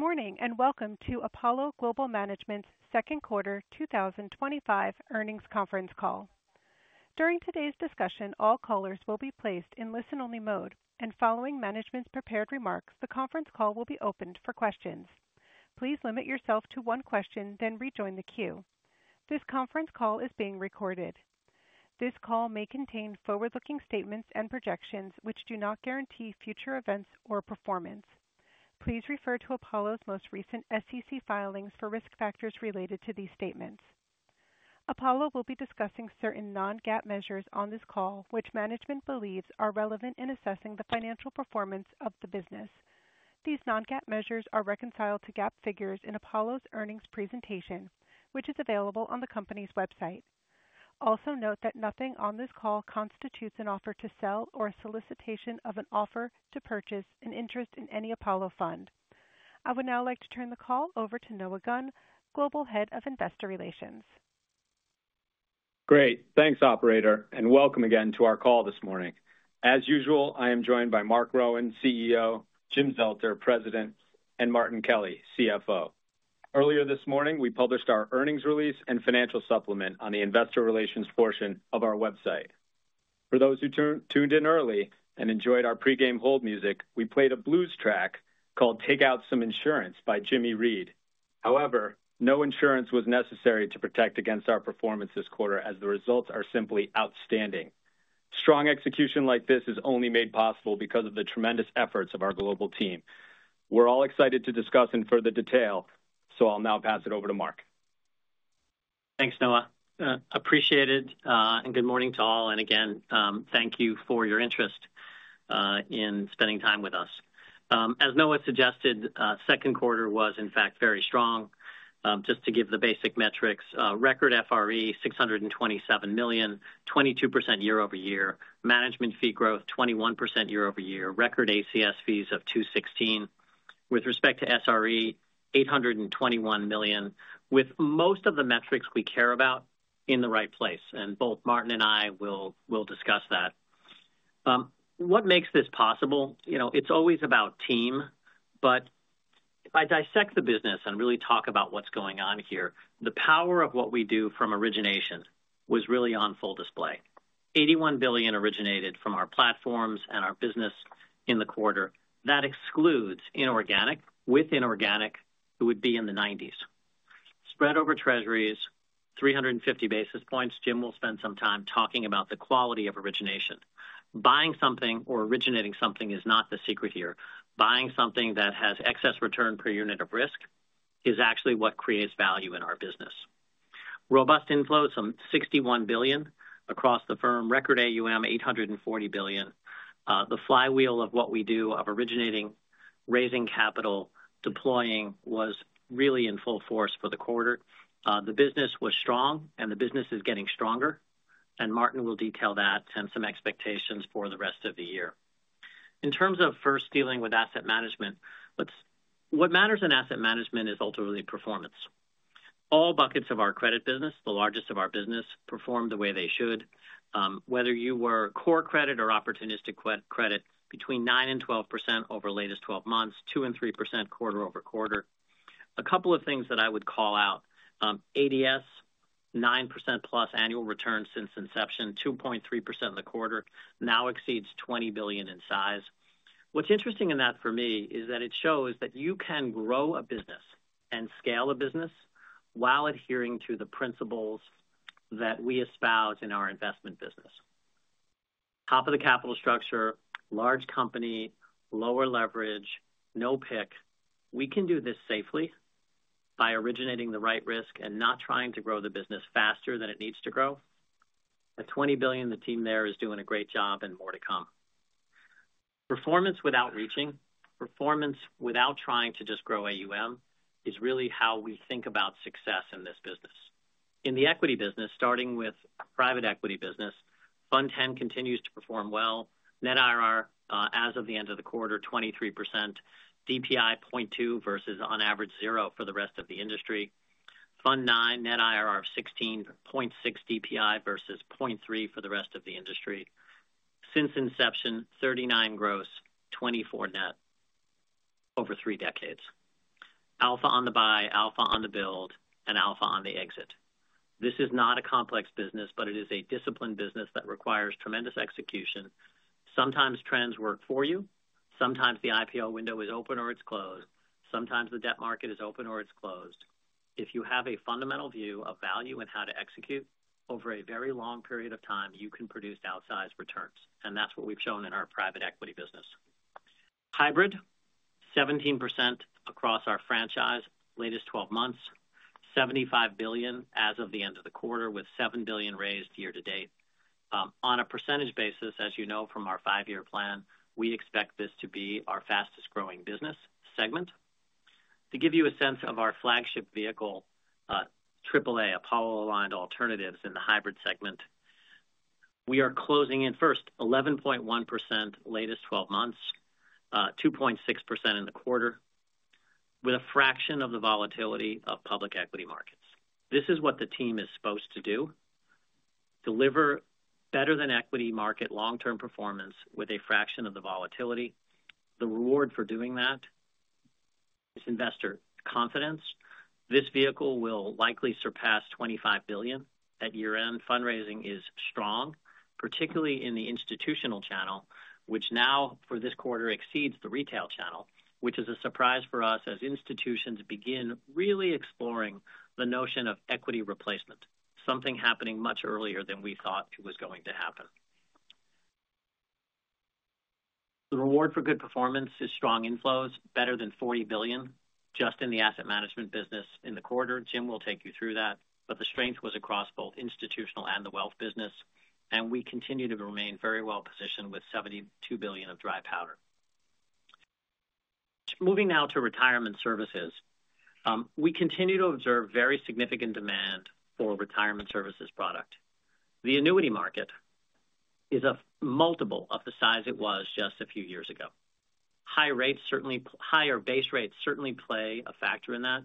Morning and welcome to Apollo Global Management's second quarter 2025 earnings conference call. During today's discussion, all callers will be placed in listen-only mode, and following management's prepared remarks, the conference call will be opened for questions. Please limit yourself to one question, then rejoin the queue. This conference call is being recorded. This call may contain forward-looking statements and projections which do not guarantee future events or performance. Please refer to Apollo's most recent SEC filings for risk factors related to these statements. Apollo will be discussing certain non-GAAP measures on this call which management believes are relevant in assessing the financial performance of the business. These non-GAAP measures are reconciled to GAAP figures in Apollo's earnings presentation, which is available on the company's website. Also note that nothing on this call constitutes an offer to sell or a solicitation of an offer to purchase an interest in any Apollo fund. I would now like to turn the call over to Noah Gunn, Global Head of Investor Relations. Great. Thanks, operator, and welcome again to our call this morning. As usual, I am joined by Marc Rowan, CEO, Jim Zelter, President, and Martin Kelly, CFO. Earlier this morning, we published our earnings. Release and financial supplement on the Investor Relations portion of our website. For those who tuned in early. Enjoyed our pregame hold music, we played a blues track called "Take Out Some. Insurance by Jimmy Reed. However, no insurance was necessary to protect. Against our performance this quarter, as the results are simply outstanding. Strong execution like this is only made possible. Possible because of the tremendous efforts of our global team. We're all excited to discuss in further detail, so I'll now pass it over to Marc. Thanks, Noah. Appreciated and good morning to all, and again thank you for your interest in spending time with us. As Noah suggested, second quarter was in fact very strong. Just to give the basic metrics. Record FRE $627 million, 22% year-over-year management fee growth, 21% year-over-year. Record ACS fees of $216 million with respect to SRE $821 million. With most of the metrics we care about in the right place, and both Martin and I will discuss that. What makes this possible. You know it's always about team. If I dissect the business and really talk about what's going on here, the power of what we do from origination was really on full display. $81 billion originated from our platforms and our business in the quarter. That excludes inorganic. With inorganic it would be in the $90 billion, spread over treasuries, 350 basis points. Jim will spend some time talking about the quality of origination. Buying something or originating something is not the secret here. Buying something that has excess return per unit of risk is actually what creates value in our business. Robust inflow, some $61 billion across the firm. Record AUM $840 billion. The flywheel of what we do of originating, raising capital, deploying was really in full force for the quarter. The business was strong and the business is getting stronger. Martin will detail that and some expectations for the rest of the year. In terms of first dealing with asset management, what matters in asset management is ultimately performance. All buckets of our credit business, the largest of our business, performed the way they should. Whether you were core credit or opportunistic credit. Between 9% and 12% over latest 12 months, 2% and 3% quarter-over-quarter. A couple of things that I would call out, ADS, 9% plus annual return since inception, 2.3% for the quarter, now exceeds $20 billion in size. What's interesting in that for me is that it shows that you can grow a business and scale a business while adhering to the principles that we espouse in our investment business. Top of the capital structure, large company, lower leverage, no PIK. We can do this safely by originating the right risk and not trying to grow the business faster than it needs to grow. At $20 billion, the team there is doing a great job and more to come. Performance without reaching, performance without trying to just grow. AUM is really how we think about success in this business. In the equity business, starting with private equity business, Fund 10 continues to perform well. Net IRR as of the end of the quarter 23%, DPI 0.2 versus on average zero for the rest of the industry. Fund 9 net IRR of 16.6%, DPI versus 0.3 for the rest of the industry. Since inception 39 gross, 24 net over three decades. Alpha on the buy, alpha on the build, and alpha on the exit. This is not a complex business, but it is a disciplined business that requires tremendous execution. Sometimes trends work for you. Sometimes the IPO window is open or it's closed. Sometimes the debt market is open or it's closed. If you have a fundamental view of value and how to execute, over a very long period of time, you can produce outsized returns. That's what we've shown in our private equity business. Hybrid 17% across our franchise. Latest 12 months $75 billion as of the end of the quarter with $7 billion raised year to date on a percentage basis. As you know from our five-year plan, we expect this to be our fastest growing business segment. To give you a sense of our flagship vehicle, AAA Apollo Aligned Alternatives. In the hybrid segment, we are closing in. First 11.1%, latest 12 months, 2.6% in the quarter with a fraction of the volatility of public equity markets. This is what the team is supposed to do, deliver better than equity market long-term performance with a fraction of the volatility. The reward for doing that is investor confidence. This vehicle will likely surpass $25 billion at year end. Fundraising is strong, particularly in the institutional channel, which now for this quarter exceeds the retail channel, which is a surprise for us as institutions begin really exploring the notion of equity replacement. Something happening much earlier than we thought it was going to happen. The reward for good performance is strong inflows, better than $40 billion just in the asset management business in the quarter. Jim will take you through that. The strength was across both institutional and the wealth business. We continue to remain very well positioned with $72 billion of dry powder. Moving now to retirement services, we continue to observe very significant demand for retirement services product. The annuity market is a multiple of the size it was just a few years ago. Higher base rates certainly play a factor in that.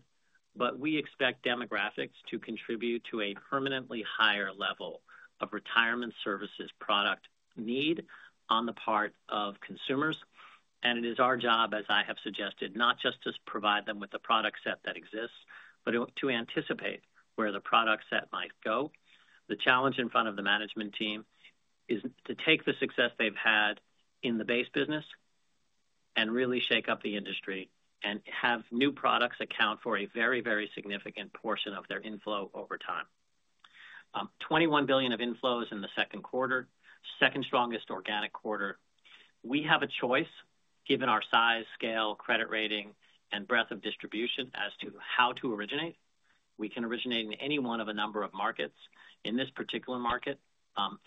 We expect demographics to contribute to a permanently higher level of retirement services product need on the part of consumers. It is our job, as I have suggested, not just to provide them with the product set that exists, but to anticipate where the product set might go. The challenge in front of the management team is to take the success they've had in the base business and really shake up the industry and have new products account for a very, very significant portion of their inflow over time. $21 billion of inflows in the second quarter, second strongest organic quarter. We have a choice, given our size, scale, credit rating, and breadth of distribution as to how to originate. We can originate in any one of a number of markets. In this particular market,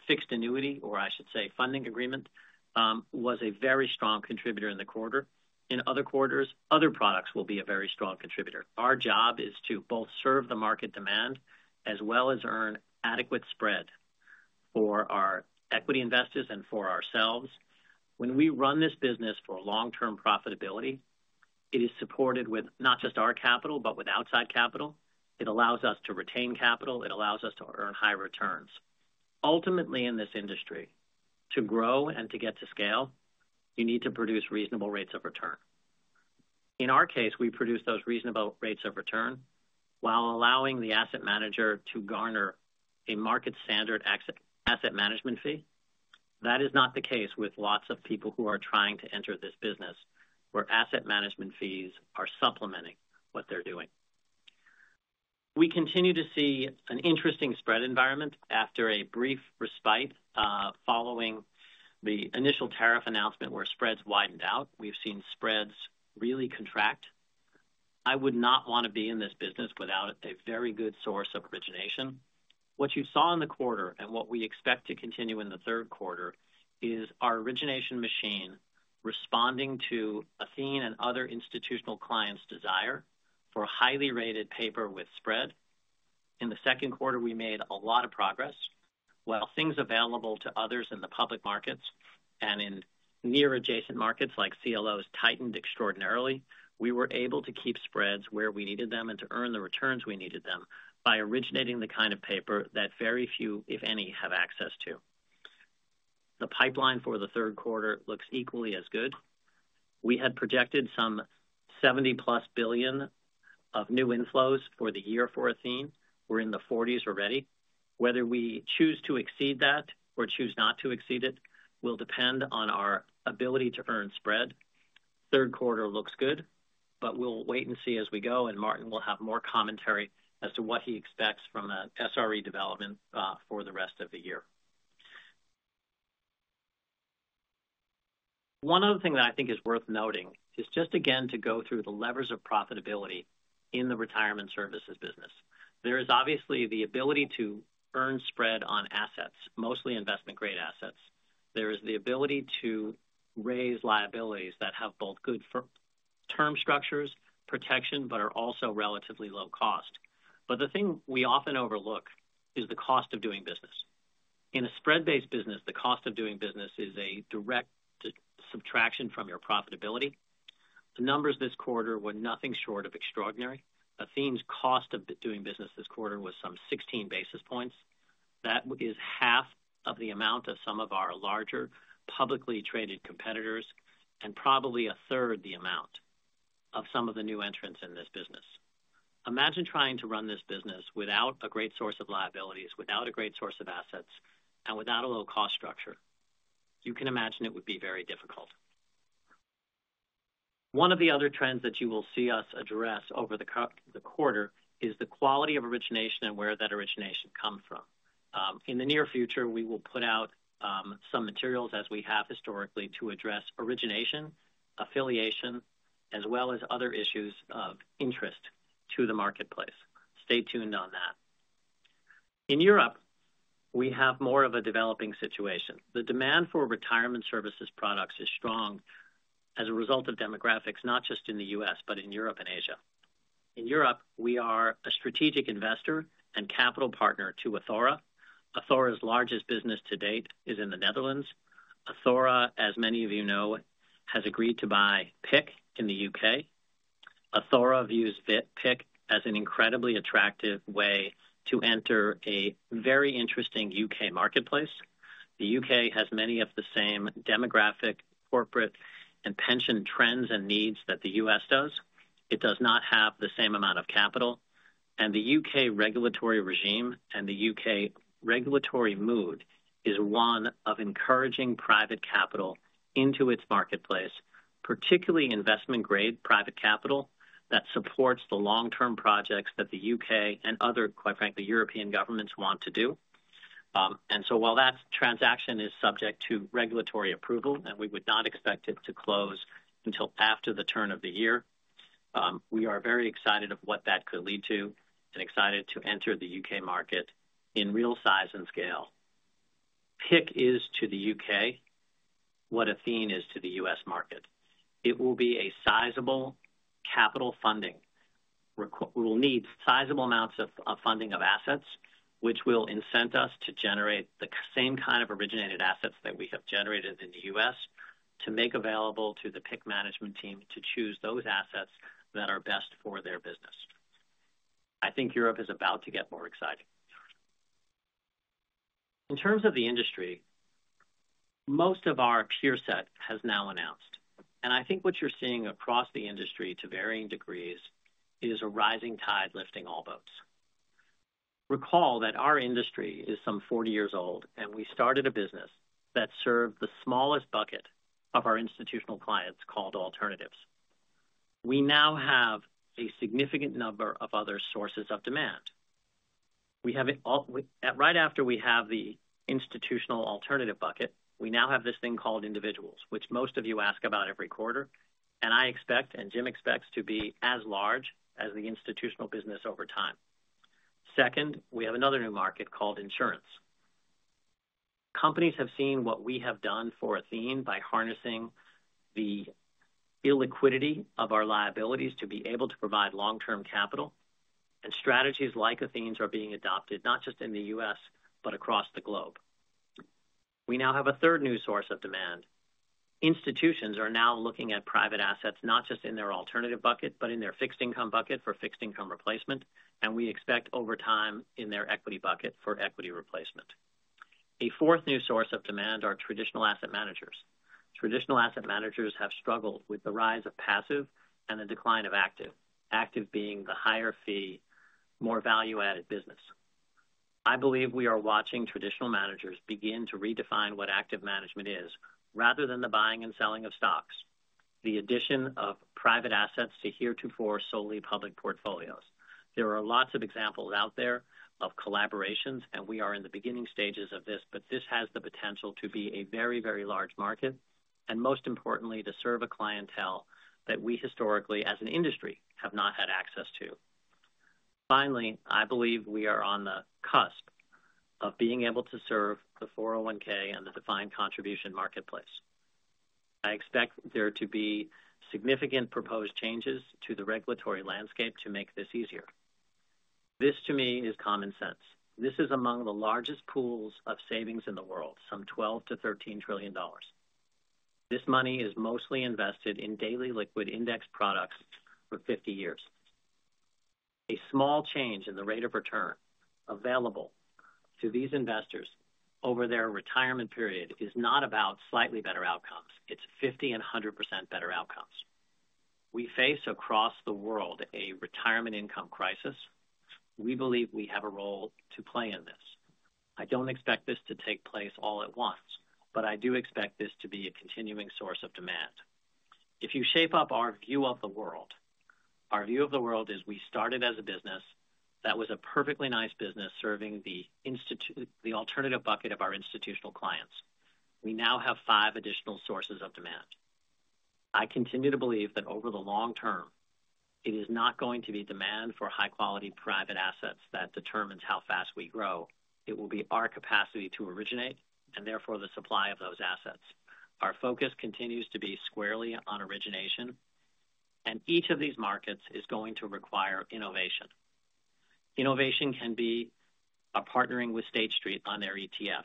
fixed annuity, or I should say funding agreement, was a very strong contributor in the quarter. In other quarters, other products will be a very strong contributor. Our job is to both serve the market demand as well as earn adequate spread for our equity investors and for ourselves. When we run this business for long term profitability, it is supported with not just our capital, but with outside capital. It allows us to retain capital, it allows us to earn high returns. Ultimately, in this industry, to grow and to get to scale, you need to produce reasonable rates of return. In our case, we produce those reasonable rates of return while allowing the asset manager to garner a market standard asset management fee. That is not the case with lots of people who are trying to enter this business where asset management fees are supplementing what they're doing. We continue to see an interesting spread environment after a brief respite following the initial tariff announcement where spreads widened out. We've seen spreads really contract. I would not want to be in this business without a very good source of origination. What you saw in the quarter and what we expect to continue in the third quarter is our origination machine responding to Athene and other institutional clients' desire for highly rated paper with spread. In the second quarter we made a lot of progress. While things available to others in the public markets and in near adjacent markets like CLOs tightened extraordinarily, we were able to keep spreads where we needed them and to earn the returns we needed them. By originating the kind of paper that very few, if any, have access to. The pipeline for the third quarter looks equally as good. We had projected some $70 billion+ of new inflows for the year for Athene. We're in the $40 billion range already. Whether we choose to exceed that or choose not to exceed it will depend on our ability to earn spread. Third quarter looks good, but we'll wait and see as we go. Martin will have more commentary as to what he expects from an SRE development for the rest of the year. One other thing that I think is worth noting is just again to go through the levers of profitability in the retirement services business. There is obviously the ability to earn spread on assets, mostly investment grade assets. There is the ability to raise liabilities that have both good term structures protection, but are also relatively low cost. The thing we often overlook is the cost of doing business. In a spread-based business, the cost of doing business is a direct subtraction from your profitability. The numbers this quarter were nothing short of extraordinary. Athene's cost of doing business this quarter was some 16 basis points. That is half of the amount of some of our larger publicly traded competitors and probably a third the amount of some of the new entrants in this business. Imagine trying to run this business without a great source of liabilities, without a great source of assets and without a low cost structure. You can imagine it would be very difficult. One of the other trends that you will see us address over the quarter is the quality of origination and where that origination comes from. In the near future we will put out some materials as we have historically to address origination, affiliation as well as other issues of interest to the marketplace. Stay tuned on that. In Europe we have more of a developing situation. The demand for retirement services products is strong as a result of demographics, not just in the U.S. but in Europe and Asia. In Europe we are a strategic investor and capital partner to Athora. Athora's largest business to date is in the Netherlands. Athora, as many of you know, has agreed to buy PIC in the UK. Athora views PIC as an incredibly attractive way to enter a very interesting UK marketplace. The UK has many of the same demographic, corporate and pension trends and needs that the U.S. does. It does not have the same amount of capital. The UK regulatory regime, and the UK regulatory mood, is one of encouraging private capital into its marketplace, particularly investment grade private capital that supports the long term projects that the UK and other, quite frankly, European governments want to do. While that transaction is subject to regulatory approval and we would not expect it to close until after the turn of the year, we are very excited about what that could lead to and excited to enter the UK market in real size and scale. PIC is to the UK what Athene is to the U.S. market. It will be a sizable capital funding. We will need sizable amounts of funding of assets, which will incent us to generate the same kind of originated assets that we have generated in the U.S. to make available to the PIC management team to choose those assets that are best for their business. I think Europe is about to get more exciting in terms of the industry. Most of our peer set has now announced, and I think what you're seeing across the industry to varying degrees is a rising tide lifting all boats. Recall that our industry is some 40 years old, and we started a business that served the smallest bucket of our institutional clients called alternatives. We now have a significant number of other sources of demand. We have it all right after we have the institutional alternative bucket. We now have this thing called individuals, which most of you ask about every quarter. I expect, and Jim expects, to be as large as the institutional business over time. Second, we have another new market called insurance. Companies have seen what we have done for Athene by harnessing the illiquidity of our liabilities to be able to provide long term capital. Strategies like Athene's are being adopted not just in the U.S. but across the globe. We now have a third new source of demand. Institutions are now looking at private assets not just in their alternative bucket but in their fixed income bucket for fixed income replacement. We expect over time in their equity bucket for equity replacement. A fourth new source of demand are traditional asset managers. Traditional asset managers have struggled with the rise of passive and the decline of active, active being the higher fee, more value added business. I believe we are watching traditional managers begin to redefine what active management is. Rather than the buying and selling of stocks, the addition of private assets to heretofore solely public portfolios. There are lots of examples out there of collaborations and we are in the beginning stages of this. This has the potential to be a very, very large market and most importantly to serve a clientele that we historically as an industry have not had access to. Finally, I believe we are on the cusp of being able to serve the 401(k) and the defined contribution marketplace. I expect there to be significant proposed changes to the regulatory landscape to make this easier. This to me is common sense. This is among the largest pools of savings in the world, some $12 trillion-$13 trillion. This money is mostly invested in daily liquid index products for 50 years. A small change in the rate of return available to these investors over their retirement period is not about slightly better outcomes. It's 50% and 100% better outcomes. We face across the world a retirement income crisis. We believe we have a role to play in this. I don't expect this to take place all at once, but I do expect this to be a continuing source of demand if you shape up our view of the world. Our view of the world is we started as a business that was a perfectly nice business serving the alternative bucket of our institutional clients. We now have five additional sources of demand. I continue to believe that over the long term it is not going to be demand for high quality private assets that determines how fast we grow. It will be our capacity to originate and therefore the supply of those assets. Our focus continues to be squarely on origination and each of these markets is going to require innovation. Innovation can be a partnering with State Street on their ETF.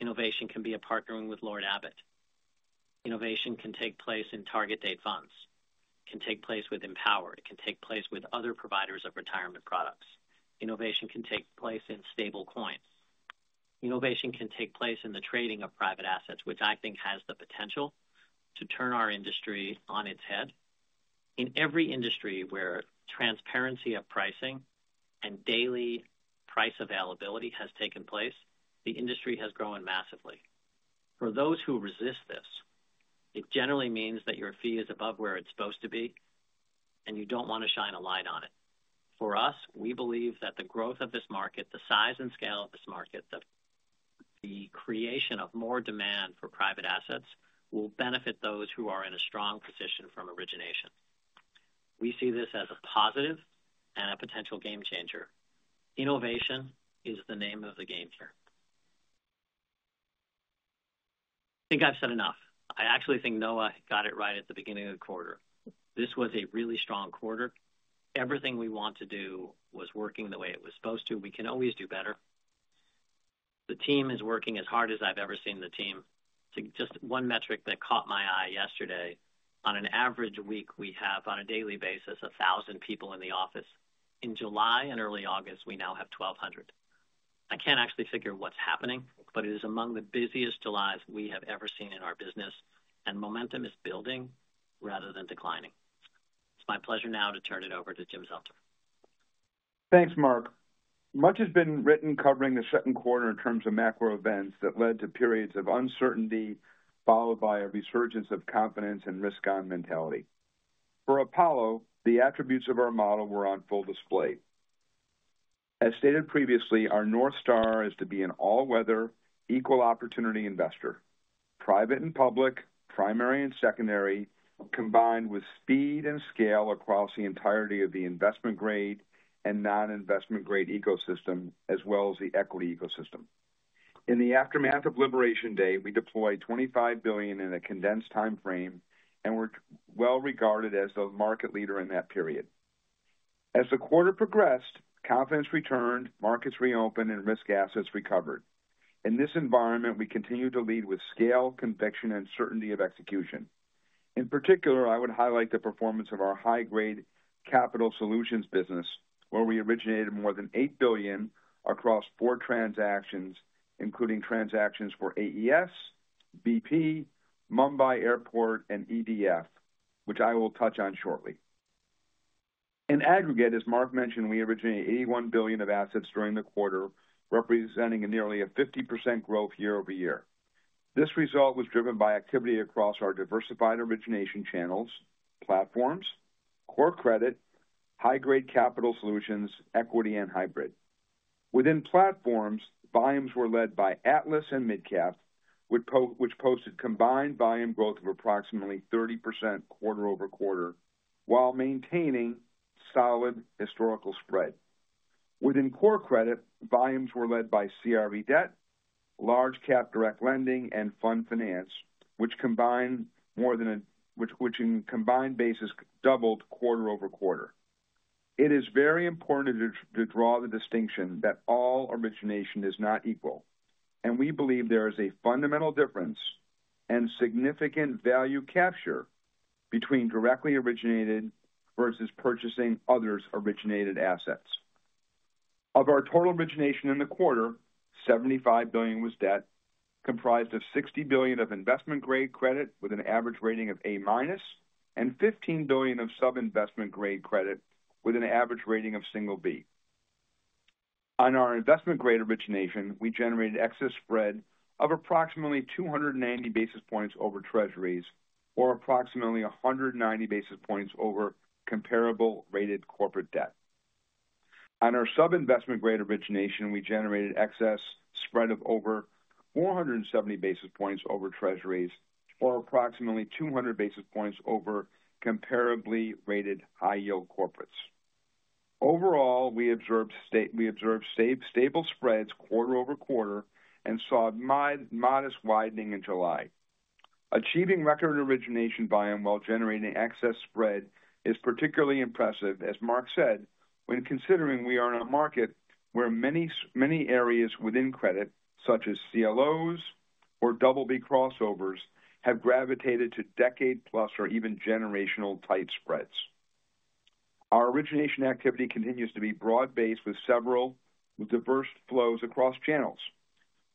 Innovation can be a partnering with Lord Abbett. Innovation can take place in target date funds. Can take place with Empower. It can take place with other providers of retirement products. Innovation can take place in stablecoins. Innovation can take place in the trading of private assets, which I think has the potential to turn our industry on its head. In every industry where transparency of pricing and daily price availability has taken place, the industry has grown massively. For those who resist this, it generally means that your fee is above where it's supposed to be and you don't want to shine a light on it. For us, we believe that the growth of this market, the size and scale of this market, the creation of more demand for private assets will benefit those who are in a strong position from origination. We see this as a positive and a potential game changer. Innovation is the name of the game here. I think I've said enough. I actually think Noah got it right at the beginning of the quarter. This was a really strong quarter. Everything we want to do was working the way it was supposed to. We can always do better. The team is working as hard as I've ever seen the team. Just one metric that caught my eye yesterday: on an average week we have, on a daily basis, 1,000 people in the office. In July and early August we now have 1,200. I can't actually figure what's happening, but it is among the busiest Julys we have ever seen in our business and momentum is building rather than declining. It's my pleasure now to turn it over to Jim Zelter. Thanks, Marc, much. Has been written covering the second quarter in terms of macro events that led to periods of uncertainty followed by a resurgence of confidence and risk. On mentality for Apollo, the attributes of our model were on full display. As stated previously, our North Star is to be an all-weather equal opportunity investor, private and public, primary and secondary combined with speed and scale across the entirety of the investment grade and non-investment grade ecosystem as well as the equity ecosystem. In the aftermath of Liberation Day, we deployed $25 billion in a condensed time frame and were well regarded as the market leader in that period. As the quarter progressed, confidence returned, markets reopened, and risk assets recovered. In this environment, we continue to lead with scale, conviction, and certainty of execution. In particular, I would highlight the performance of our High Grade Capital Solutions business where we originated more than $8 billion across four transactions including transactions for AES, BP, Mumbai Airport, and EDF, which I will touch on shortly. In aggregate, as Marc mentioned, we originated $81 billion of assets during the quarter, representing nearly a 50% growth year-over-year. This result was driven by activity across our diversified origination channels and platforms, Core Credit, High Grade Capital Solutions, Equity, and Hybrid within platforms. Volumes were led by Atlas and Midcap, which posted combined volume growth of approximately 30% quarter-over-quarter while maintaining solid historical spread. Within Core Credit, volumes were led by CRE, Debt, Large Cap, Direct Lending, and Fund Finance, which on a combined basis doubled quarter-over-quarter. It is very important to draw the distinction that all origination is not equal, and we believe there is a fundamental difference and significant value capture between directly originated versus purchasing others' originated assets. Of our total origination in the quarter, $75 billion was debt comprised of $60 billion of investment grade credit with an average rating of A minus and $15 billion of sub-investment grade credit with an average rating of single B. On our investment grade origination, we generated excess spread of approximately 290 basis points over Treasuries or approximately 190 basis points over comparable rated corporate debt. On our sub investment grade origination, we generated excess spread of over 470 basis points over Treasuries or approximately 200 basis points over comparably rated high yield corporates. Overall, we observed stable spreads quarter-over-quarter and saw modest widening in July. Achieving record origination buy-in while generating excess spread is particularly impressive. As Marc said, when considering we are in a market where many, many areas within credit such as CLOs or double B crossovers have gravitated to decade-plus or even generational tight spreads. Our origination activity continues to be broad-based with several diverse flows across channels.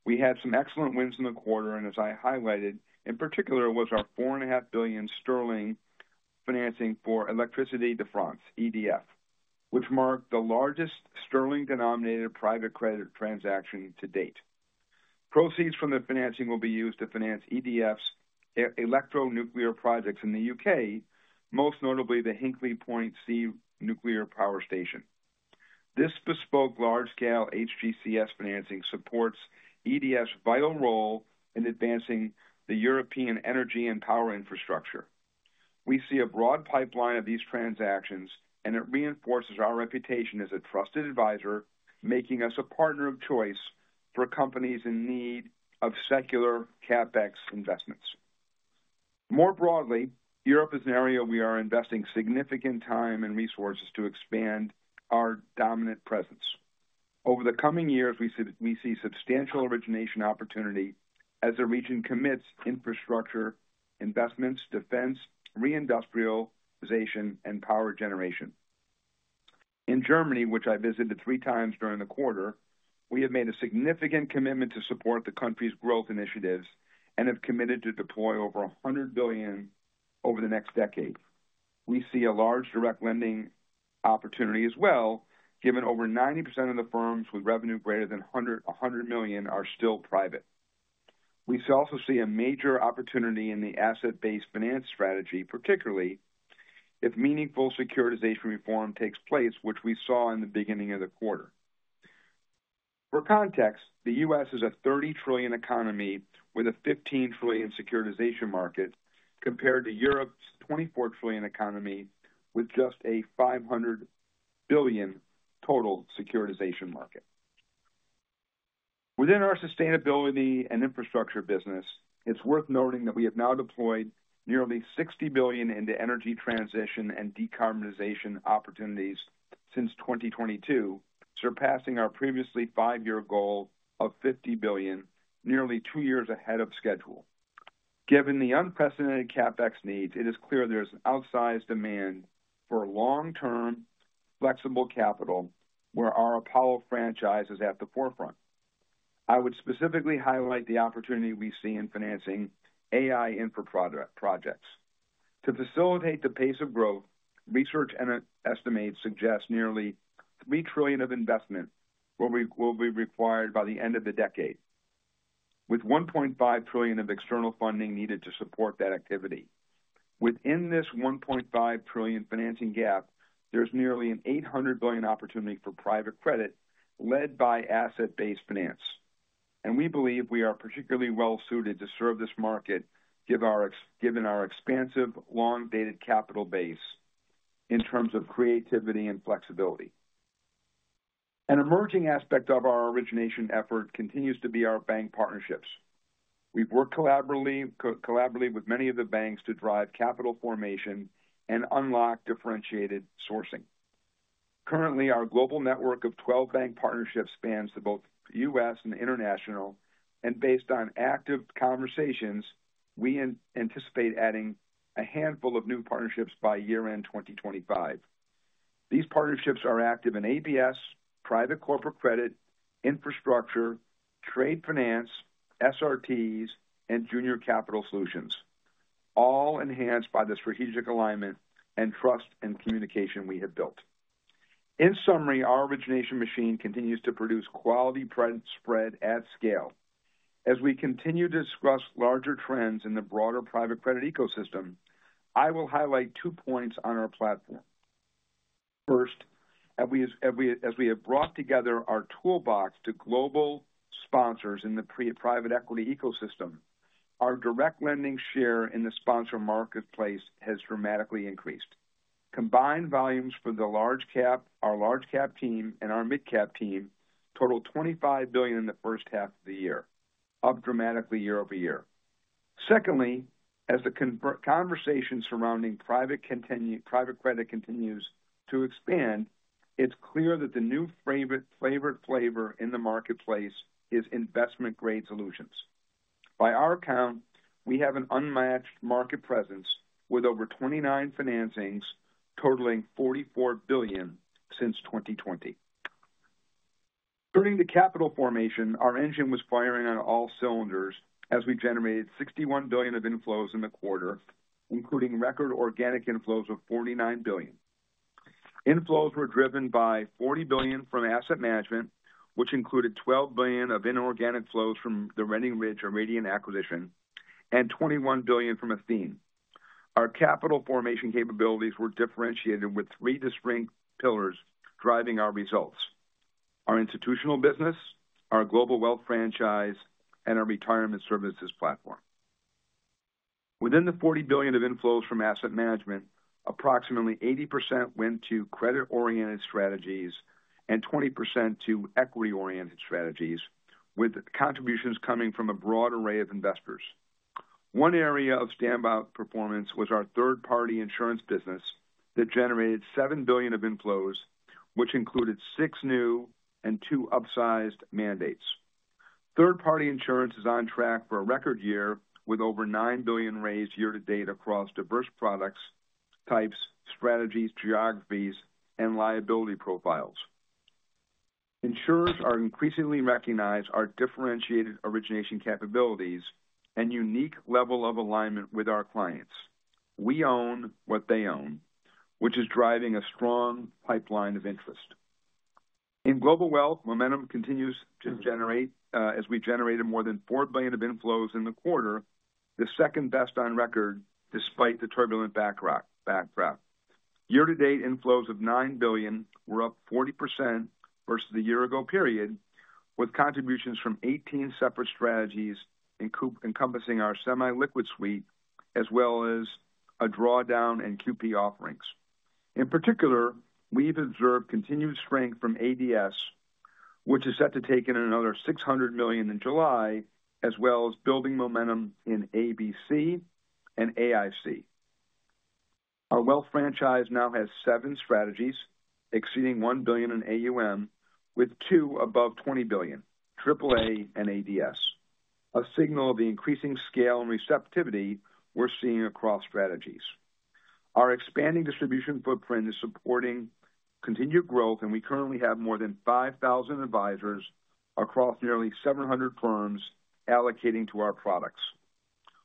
We had some excellent wins in the quarter, and as I highlighted, in particular was our 4.5 billion sterling financing for Électricité de France (EDF), which marked the largest sterling-denominated private credit transaction to date. Proceeds from the financing will be used to finance EDF's electronuclear projects in the UK, most notably the Hinkley Point C nuclear power station. This bespoke large-scale HGCS financing supports EDF's vital role in advancing the European energy and power infrastructure. We see a broad pipeline of these transactions, and it reinforces our reputation as a trusted advisor, making us a partner of choice for companies in need of secular CapEx investments. More broadly, Europe is an area we are investing significant time and resources to expand our dominant presence over the coming years. We see substantial origination opportunity as the region commits infrastructure investments, defense reindustrialization, and power generation. In Germany, which I visited three times during the quarter, we have made a significant commitment to support the country's growth initiatives and have committed to deploy over 100 billion over the next decade. We see a large direct lending opportunity as well, given over 90% of the firms with revenue greater than 100 million are still private. We also see a major opportunity in the asset-based finance strategy, particularly if meaningful securitization reform takes place, which we saw in the beginning of the quarter. For context, the U.S. is a $30 trillion economy with a $15 trillion securitization market compared to Europe's 24 trillion economy with just a 500 billion total securitization market. Within our sustainability and infrastructure business, it's worth noting that we have now deployed nearly $60 billion into energy transition and decarbonization opportunities since 2022, surpassing our previously five-year goal of $50 billion nearly two years ahead of schedule. Given the unprecedented CapEx needs, it is clear there's outsized demand for long-term flexible capital where our Apollo franchise is at the forefront. I would specifically highlight the opportunity we see in financing AI infra projects to facilitate the pace of growth. Research estimates suggest nearly $3 trillion of investment will be required by the end of the decade, with $1.5 trillion of external funding needed to support that activity. Within this $1.5 trillion financing gap, there's nearly an $800 billion opportunity for private credit led by asset-based finance and we believe we are particularly well suited to serve this market. Given our expansive, long-dated capital base in terms of creativity and flexibility, an emerging aspect of our origination effort continues to be our bank partnerships. We've worked collaboratively with many of the banks to drive capital formation and unlock differentiated sourcing. Currently, our global network of 12 bank partnerships spans both U.S. and international and based on active conversations, we anticipate adding a handful of new partnerships by year-end 2025. These partnerships are active in ABS, private corporate credit, infrastructure, trade finance, SRTs, and junior capital solutions, all enhanced by the strategic alignment and trust and communication we have built. In summary, our origination machine continues to produce quality spread at scale. As we continue to discuss larger trends in the broader private credit ecosystem, I will highlight two points on our platform. First, as we have brought together our toolbox to global sponsors in the private equity ecosystem, our direct lending share in the sponsor marketplace has dramatically increased. Combined volumes for the Large Cap team and our Mid Cap team total $25 billion in the first half of the year, up dramatically year-over-year. Secondly, as the conversation surrounding private credit continues to expand, it's clear that the new flavor in the marketplace is investment grade solutions. By our count, we have an unmatched market presence with over 29 financings totaling $44 billion since 2020. Turning to capital formation, our engine was firing on all cylinders as we generated $61 billion of inflows in the quarter, including record organic inflows of $49 billion. Inflows were driven by $40 billion from asset management, which included $12 billion of inorganic flows from the Renting Ridge or Radiant acquisition, and $21 billion from Athene. Our capital formation capabilities were differentiated with three distinct pillars driving our results: our institutional business, our global wealth franchise, and our retirement services platform. Within the $40 billion of inflows from asset management, approximately 80% went to credit-oriented strategies and 20% to equity-oriented strategies, with contributions coming from a broad array of investors. One area of standout performance was our third-party insurance business that generated $7 billion of inflows, which included six new and two upsized mandates. Third-party insurance is on track for a record year with over $9 billion raised year to date across diverse products, types, strategies, geographies, and liability profiles. Insurers are increasingly recognizing our differentiated origination capabilities and unique level of alignment with our clients. We own what they own, which is driving a strong pipeline of interest in global wealth. Momentum continues to generate as we generated more than $4 billion of inflows in the quarter, the second best on record. Despite the turbulent backdrop, year to date inflows of $9 billion were up 40% versus the year-ago period, with contributions from 18 separate strategies encompassing our semi-liquid suite as well as drawdown and QP offerings. In particular, we've observed continued strength from ADS, which is set to take in another $600 million in July, as well as building momentum in ABC and AIC. Our wealth franchise now has seven strategies exceeding $1 billion in AUM, with two above $20 billion, AAA and ADS, a signal of the increasing scale and receptivity we're seeing across strategies. Our expanding distribution footprint is supporting continued growth, and we currently have more than 5,000 advisors across nearly 700 firms allocating to our products.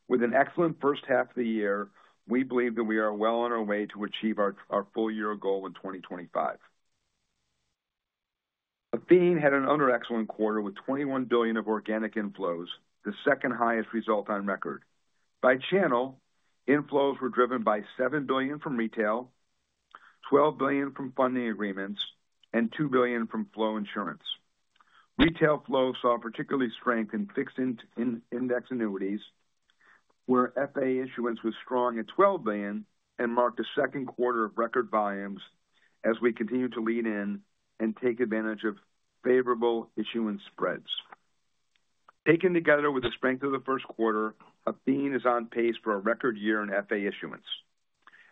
With an excellent first half of the year, we believe that we are well on our way to achieve our full year goal. In 2025, Athene had another excellent quarter with $21 billion of organic inflows, the second highest result on record. By channel, inflows were driven by $7 billion from retail, $12 billion from funding agreements, and $2 billion from flow insurance. Retail flow saw particular strength in fixed index annuities, where FIA issuance was strong at $12 billion and marked a second quarter of record volumes as we continue to lead in and take advantage of favorable issuance spreads. Taken together with the strength of the first quarter, Athene is on pace for a record year in FIA issuance.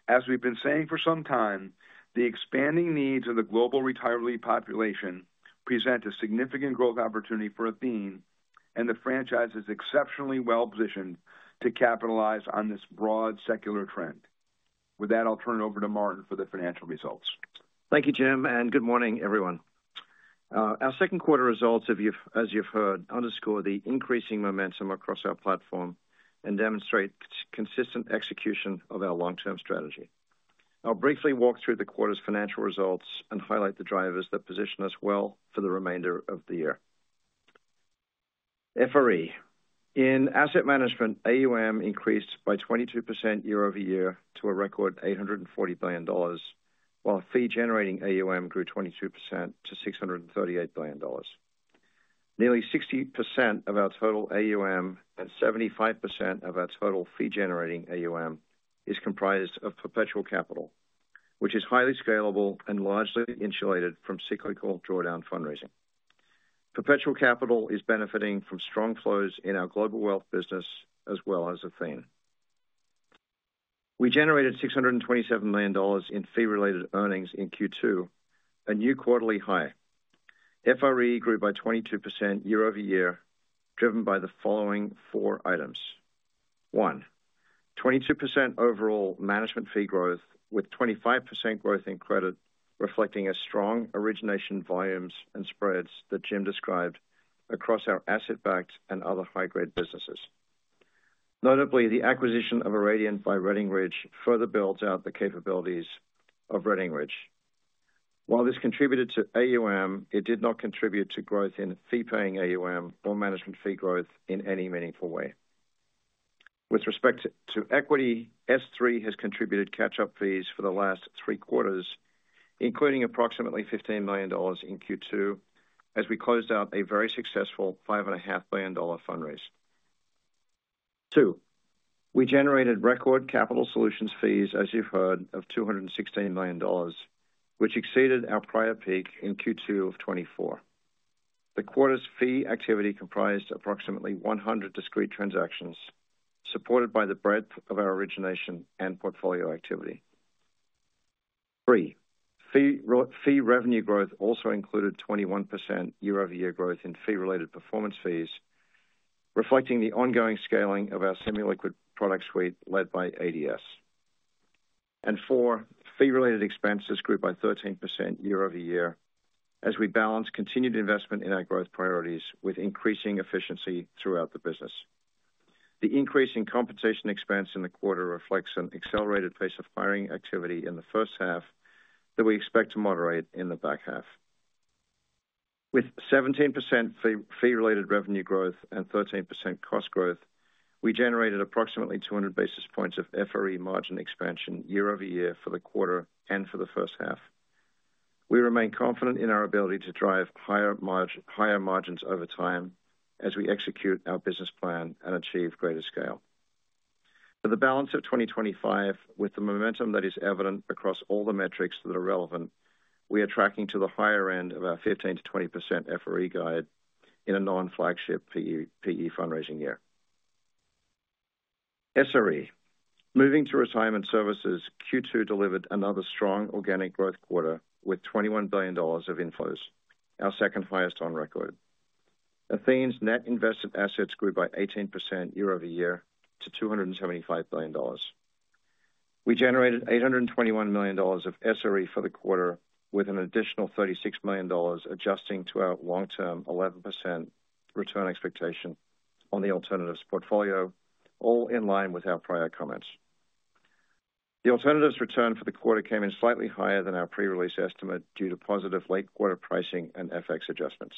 As we've been saying for some time, the expanding needs of the global retiree population present a significant growth opportunity for Athene, and the franchise is exceptionally well positioned to capitalize on this broad secular trend. With that, I'll turn it over to Martin for the financial results. Thank you, Jim, and good morning, everyone. Our second quarter results, as you've heard, underscore the increasing momentum across our platform and demonstrate consistent execution of our long-term strategy. I'll briefly walk through the quarter's financial results and highlight the drivers that position us well for the remainder of the year. FRE in asset management AUM increased by 22% year-over-year to a record $840 billion, while fee-generating AUM grew 22% to $638 billion. Nearly 60% of our total AUM and 75% of our total fee-generating AUM is comprised of perpetual capital, which is highly scalable and largely insulated from cyclical drawdown fundraising. Perpetual capital is benefiting from strong flows in our global wealth business as well as Athene. We generated $627 million in fee-related earnings in Q2, a new quarterly high. FRE grew by 22% year-over-year, driven by the following four items. 1. 22% overall management fee growth with 25% growth in credit reflecting strong origination volumes and spreads that Jim described across our asset-backed and other high grade businesses. Notably, the acquisition of Irradiant by Redding Ridge further builds out the capabilities of Redding Ridge. While this contributed to AUM, it did not contribute to growth in fee-paying AUM or management fee growth in any meaningful way. With respect to equity, S3 has contributed catch-up fees for the last three quarters, including approximately $15 million in Q2 as we closed out a very successful $5.5 billion fundraise. We generated record capital solutions fees, as you've heard, of $216 million, which exceeded our prior peak in Q2 of 2024. The quarter's fee activity comprised approximately 100 discrete transactions supported by the breadth of our origination and portfolio activity. 3. Fee revenue growth also included 21% year-over-year growth in fee-related performance fees, reflecting the ongoing scaling of our semi-liquid product suite led by ADS and AAA. Fee-related expenses grew by 13% year-over-year as we balance continued investment in our growth priorities with increasing efficiency throughout the business. The increase in compensation expense in the quarter reflects an accelerated pace of hiring activity in the first half that we expect to moderate in the back half. With 17% fee-related revenue growth and 13% cost growth, we generated approximately 200 basis points of FRE margin expansion year-over-year for the quarter and for the first half. We remain confident in our ability to drive higher margins over time as we execute our business plan and achieve greater scale for the balance of 2025. With the momentum that is evident across all the metrics that are relevant, we are tracking to the higher end of our 15% to 20% FRE guide in a non-flagship private equity fundraising year. Moving to Retirement Services, Q2 delivered another strong organic growth quarter with $21 billion of inflows, our second highest on record. Athene's net invested assets grew by 18% year-over-year to $275 billion. We generated $821 million of SRE for the quarter with an additional $36 million adjusting to our long-term 11% return expectation on the alternatives portfolio, all in line with our prior comments. The alternatives return for the quarter came in slightly higher than our pre-release estimate due to positive late quarter pricing and FX adjustments.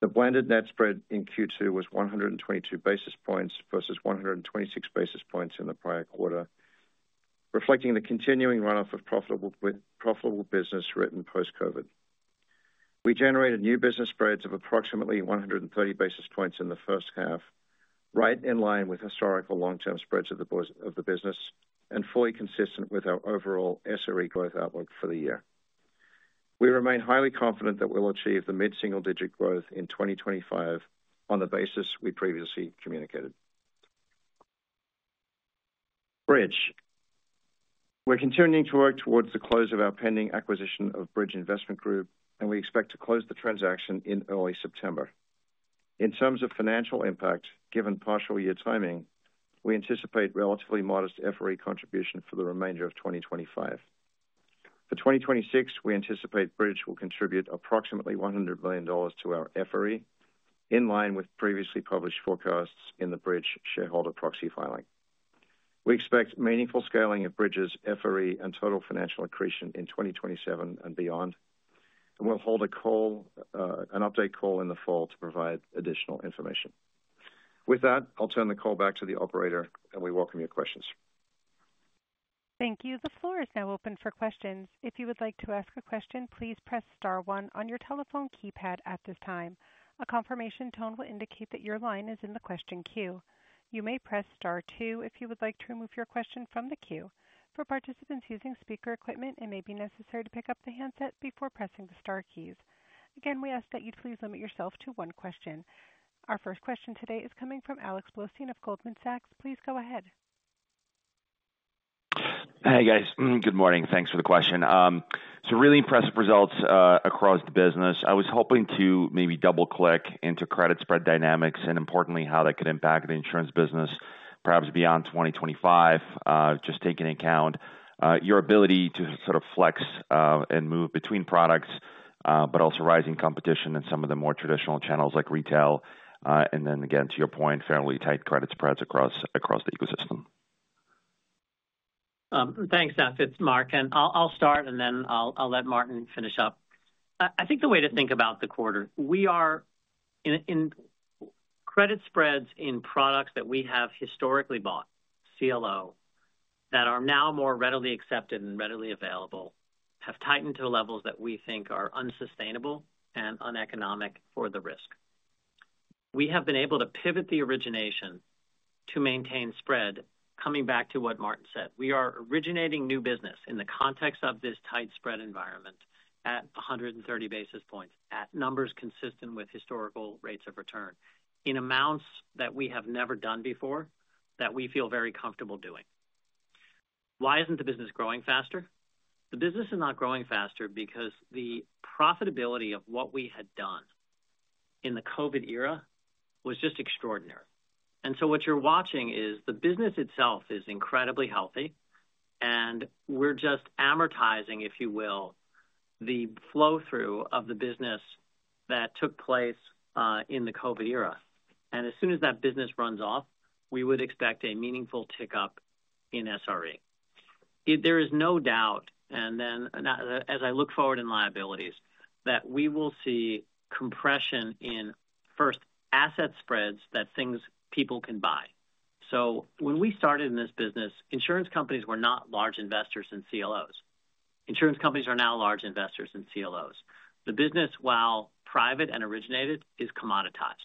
The blended net spread in Q2 was 122 basis points versus 126 basis points in the prior quarter, reflecting the continuing runoff of profitable business written post-COVID. We generated new business spreads of approximately 130 basis points in the first half, right in line with historical long-term spreads of the business and fully consistent with our overall SRE. Growth outlook for the year. We remain highly confident that we'll achieve the mid single digit growth in 2025 on the basis we previously communicated. Bridge. We're continuing to work towards the close of our pending acquisition of Bridge Investment Group, and we expect to close the transaction in early September. In terms of financial impact, given partial year timing, we anticipate relatively modest FRE contribution for the remainder of 2025. For 2026, we anticipate Bridge will contribute approximately $100 million to our FRE, in line with previously published forecasts in the Bridge shareholder proxy filing. We expect meaningful scaling of Bridge's FRE and total financial accretion in 2027 and beyond, and we'll hold an update call in the fall to provide additional information. With that, I'll turn the call back to the operator, and we welcome your questions. Thank you. The floor is now open for questions. If you would like to ask a question, please press Star one on your telephone keypad at this time. A confirmation tone will indicate that your line is in the question queue. You may press Star two if you would like to remove your question from the queue. For participants using speaker equipment, it may be necessary to pick up the handset before pressing the star keys. Again, we ask that you please limit yourself to one question. Our first question today is coming from Alex Blostein of Goldman Sachs. Please go ahead. Hey guys, good morning. Thanks for the question. Really impressive results across the business. I was hoping to maybe double click into credit spread dynamics and importantly how that could impact the insurance business perhaps beyond 2025. Just taking account your ability to sort of flex and move between products, but also rising competition in some of the more traditional channels like retail to your point, fairly tight credit spreads across the ecosystem. Thanks, Seth. It's Marc and I'll start and then I'll let Martin finish up. I think the way to think about the quarter we are in, credit spreads in products that we have historically bought, CLO, that are now more readily accepted and readily available, have tightened to levels that we think are unsustainable and uneconomic for the risk. We have been able to pivot the origination to maintain spread. Coming back to what Martin said, we are originating new business in the context of this tight spread environment at 130 basis points at numbers consistent with historical rates of return, in amounts that we have never done before that we feel very comfortable doing. Why isn't the business growing faster? The business is not growing faster because the profitability of what we had done in the COVID era was just extraordinary. What you're watching is the business itself is incredibly healthy and we're just amortizing, if you will, the flow through of the business that took place in the COVID era. As soon as that business runs off, we would expect a meaningful tick up in SRE. There is no doubt, and as I look forward in liabilities, that we will see compression in first asset spreads, that things people can buy. When we started in this business, insurance companies were not large investors in CLOs. Insurance companies are now large investors in CLOs. The business, while private and originated, is commoditized.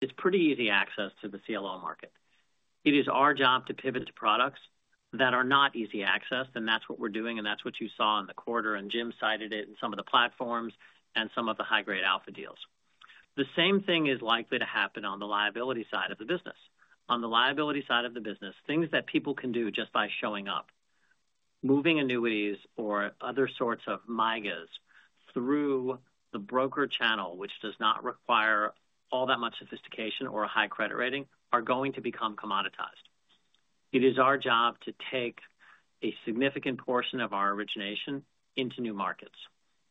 It's pretty easy access to the CLO market. It is our job to pivot to products that are not easy access, and that's what we're doing. That's what you saw in the quarter, and Jim cited it in some of the platforms and some of the high grade alpha deals. The same thing is likely to happen on the liability side of the business. On the liability side of the business, things that people can do just by showing up, moving annuities or other sorts of MYGAs through the broker channel, which does not require all that much sophistication or a high credit rating, are going to become commoditized. It is our job to take a significant portion of our origination into new markets.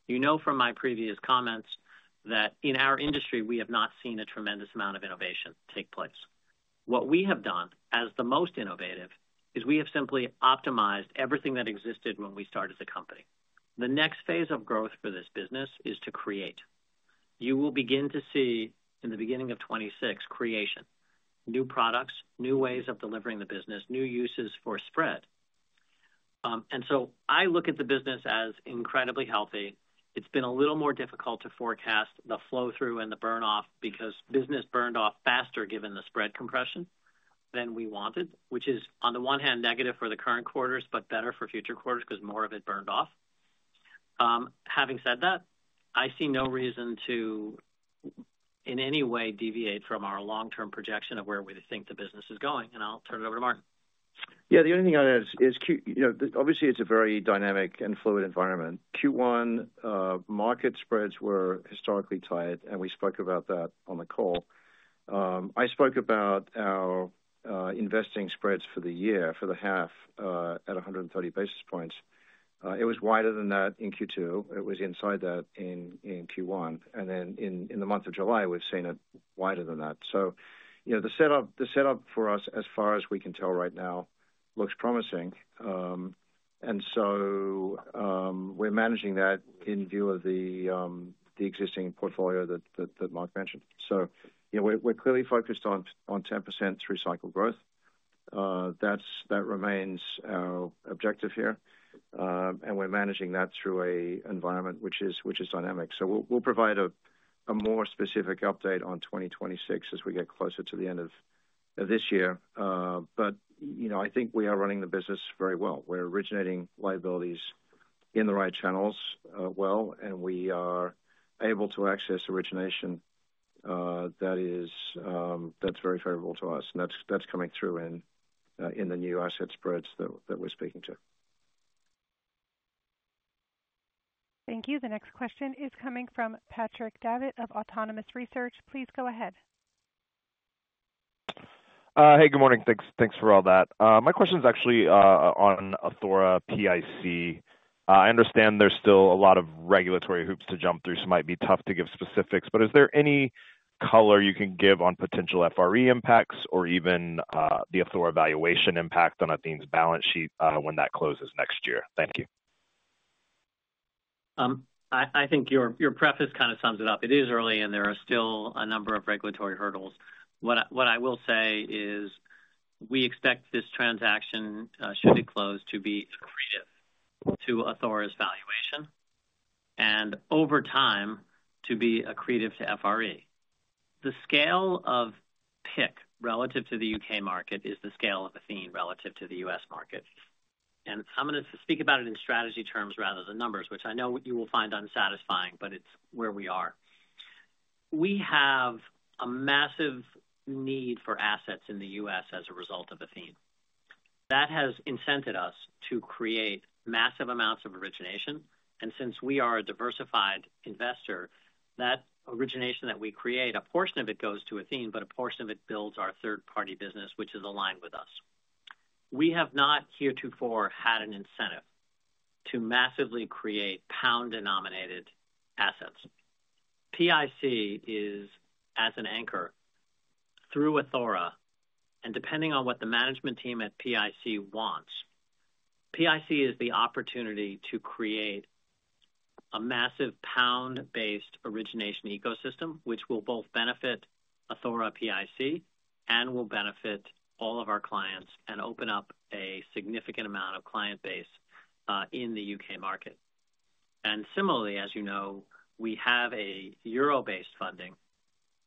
You know from my previous comments that in our industry we have not seen a tremendous amount of innovation take place. What we have done as the most innovative is we have simply optimized everything that existed when we started the company. The next phase of growth for this business is to create. You will begin to see in the beginning of 2026 creation of new products, new ways of delivering the business, new uses for spread. I look at the business as incredibly healthy. It's been a little more difficult to forecast the flow through and the burn off because business burned off faster given the spread compression than we wanted, which is on the one hand negative for the current quarters, but better for future quarters because more of it burned off. Having said that, I see no reason to in any way deviate from our long-term projection of where we think the business is going. I'll turn it over to Martin. Yeah, the only thing I'd add is obviously it's a very dynamic and fluid environment. Q1 market spreads were historically tight and we spoke about that on the call. I spoke about our investing spreads for the year, for the half at 130 basis points. It was wider than that in Q2, it was inside that in Q1. In the month of July we've seen it wider than that. The setup for us as far as we can tell right now looks promising. We're managing that in view of the existing portfolio that Marc mentioned. We're clearly focused on 10% through cycle growth. That remains our objective here. We're managing that through an environment which is dynamic. We'll provide a more specific update on 2026 as we get closer to the end of this year. I think we are running the business very well. We're originating liabilities in the right channels well and we are able to access origination that is very favorable to us and that's coming through in the new asset spreads that we're speaking to. Thank you. The next question is coming from Patrick Davitt of Autonomous Research. Please go ahead. Hey, good morning. Thanks for all that. My question is actually on Athora PIC. I understand there's still a lot of regulatory hoops to jump through, so might be tough to give specifics. Is there any color you can give on potential FRE impacts or even the Athora valuation impact on Athene's balance sheet when that closes next year? Thank you. I think your preface kind of sums it up. It is early and there are still a number of regulatory hurdles. What I will say is we expect this transaction, should it close, to be accretive to Athora's valuation and over time to be accretive to FRE. The scale of PIC relative to the UK market is the scale of Athene relative to the U.S. market. I'm going to speak about it in strategy terms rather than numbers, which I know you will find unsatisfying. It's where we are. We have a massive need for assets in the U.S. as a result of Athene that has incented us to create massive amounts of origination. Since we are a diversified investor, that origination that we create, a portion of it goes to Athene, but a portion of it builds our third-party business which is aligned with us. We have not heretofore had an incentive to massively create pound-denominated assets. PIC is as an anchor through Athora and depending on what the management team at PIC wants, PIC is the opportunity to create a massive pound-based origination ecosystem which will benefit all of our clients and open up a significant amount of client base in the UK market. Similarly, as you know, we have a euro-based funding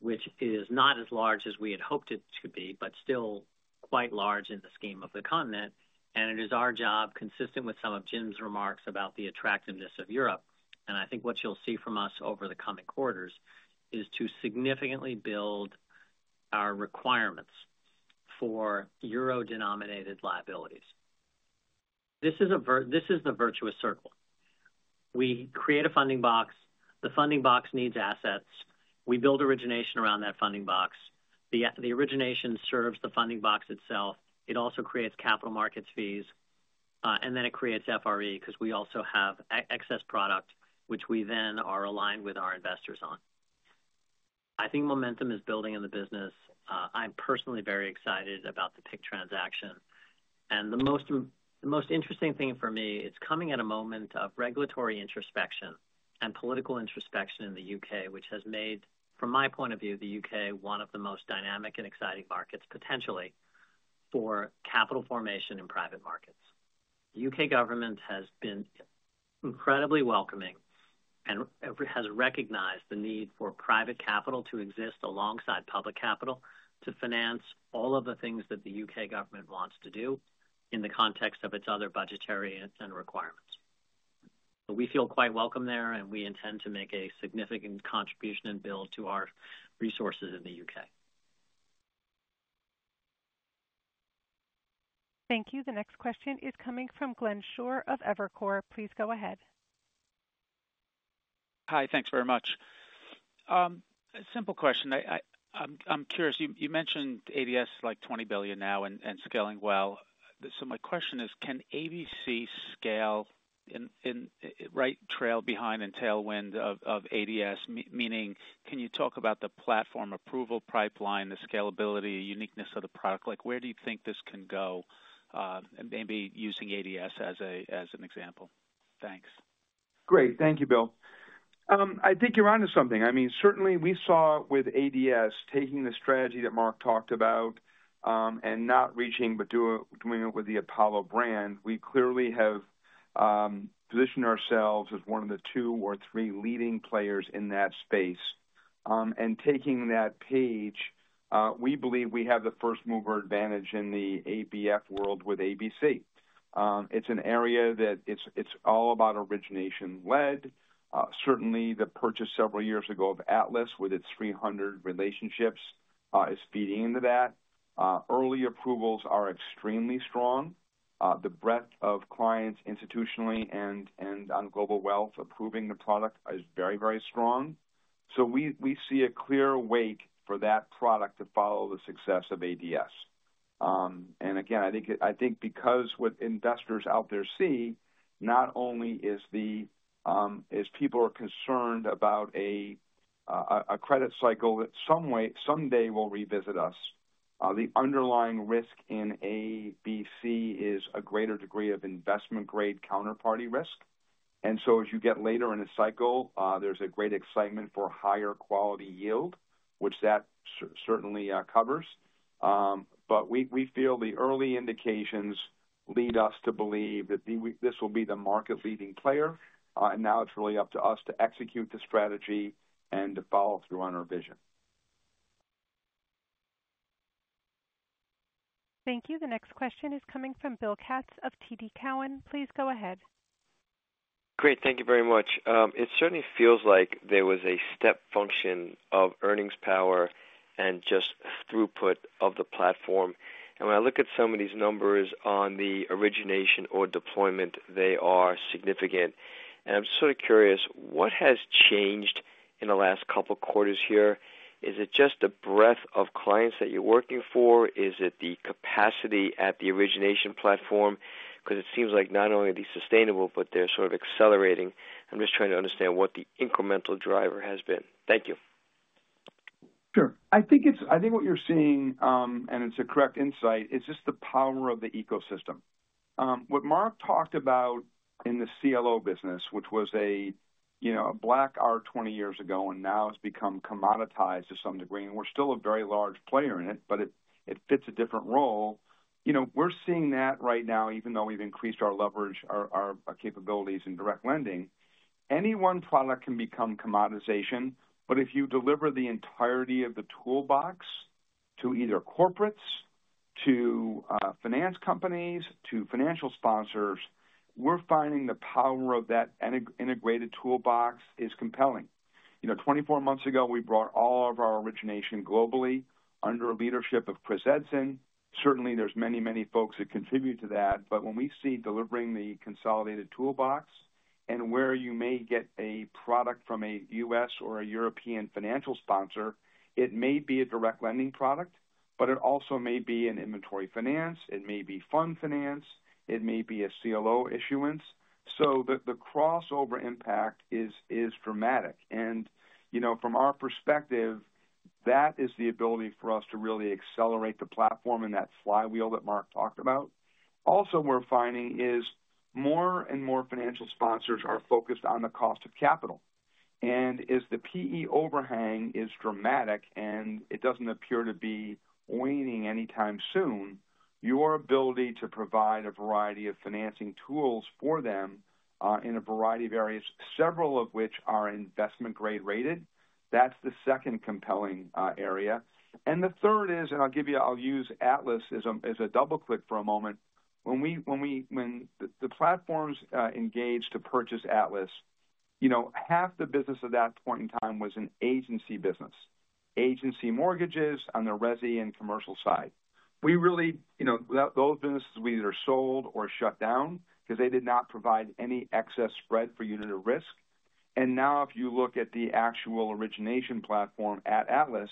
which is not as large as we had hoped it could be, but still quite large in the scheme of the continent. It is our job, consistent with some of Jim Zelter's remarks about the attractiveness of Europe, and I think what you'll see from us over the coming quarters is to significantly build our requirements for euro-denominated liabilities. This is the virtuous circle. We create a funding box. The funding box needs assets. We build origination around that funding box. The origination serves the funding box itself. It also creates capital markets fees and then it creates FRE because we also have excess product which we then are aligned with our investors on. I think momentum is building in the business. I'm personally very excited about the PIC transaction and the most interesting thing for me is it's coming at a moment of regulatory introspection and political introspection in the UK which has made from my point of view the UK one of the most dynamic and exciting markets potentially for capital formation in private markets. The UK government has been incredibly welcoming and has recognized the need for private capital to exist alongside public capital to finance all of the things that the UK government wants to do in the context of its other budgetary and requirements. We feel quite welcome there and we intend to make a significant contribution and build to our resources in the UK. Thank you. The next question is coming from Glenn Schorr of Evercore. Please go ahead. Hi, thanks very much. Simple question, I'm curious. You mentioned ADS like $20 billion now and scaling well. My question is, can AAA scale right, trail behind and tailwind of ADS? Meaning, can you talk about the platform approval pipeline, the scalability, uniqueness of the product, like where do you think this can go? Maybe using ADS as an example. Thanks. Great. Thank you, Bill. I think you're onto something. I mean certainly we saw with ADS taking the strategy that Marc talked about and not reaching but doing it with the Apollo brand, we clearly have positioned ourselves as one of the two or three leading players in that space. Taking that page, we believe we have the first mover advantage in the ABF world. With ABC, it's an area that it's all about origination led. Certainly the purchase several years ago of Atlas with its 300 relationships is feeding into that. Early approvals are extremely strong. The breadth of clients institutionally and on global wealth approving the product is very, very strong. We see a clear wait for that product to follow the success of ADS. I think because what investors out there see not only is people are concerned about a credit cycle that someday will revisit us, the underlying risk in ABC is a greater degree of investment grade counterparty risk. As you get later in the cycle, there's a great excitement for higher quality yield, which that certainly covers. We feel the early indications lead us to believe that this will be the market leading player. Now it's really up to us to execute the strategy and to follow through on our vision. Thank you. The next question is coming from Bill Katz of TD Cowen. Please go ahead. Great, thank you very much. It certainly feels like there was a Step function of earnings power and just throughput of the platform. When I look at some of these numbers on the origination or deployment are significant. I'm sort of curious what has. Changed in the last couple quarters here? Is it just a breadth of clients that you're working for? Is it the capacity at the origination platform? Because it seems like not only are. These are sustainable, but they're sort of accelerating. I'm just trying to understand what the. Incremental driver has been. Thank you. Sure. I think it's, I think what you're seeing and it's a correct insight. It's just the power of the ecosystem. What Marc talked about in the CLO business, which was a, you know, a black art 20 years ago and now it's become commoditized to some degree and we're still a very large player in it, but it fits a different role. We're seeing that right now even though we've increased our leverage, our capabilities in direct lending. Any one product can become commoditization. If you deliver the entirety of the toolbox to either corporates, to finance companies, to financial sponsors, we're finding the power of that integrated toolbox is compelling. Twenty-four months ago, we brought all of our origination globally under leadership of Chris Edson. Certainly there's many, many folks that contribute to that. When we see delivering the consolidated toolbox and where you may get a product from a U.S. or a European financial sponsor, it may be a direct lending product, but it also may be an inventory finance, it may be fund finance, it may be a CLO issuance. The crossover impact is dramatic. From our perspective, that is the ability for us to really accelerate the platform. That flywheel that Marc talked about also we're finding is more and more financial sponsors are focused on the cost of capital. As the PE overhang is dramatic and it doesn't appear to be waning anytime soon, your ability to provide a variety of financing tools for them in a variety of areas, several of which are investment grade rated, that's the second compelling area. The third is, and I'll give you, I'll use Atlas as a double click for a moment. When the platforms engaged to purchase Atlas, half the business at that point in time was an agency business, agency mortgages on the resi and commercial side. Those businesses we either sold or shut down because they did not provide any excess spread for you to risk. Now if you look at the actual origination platform at Atlas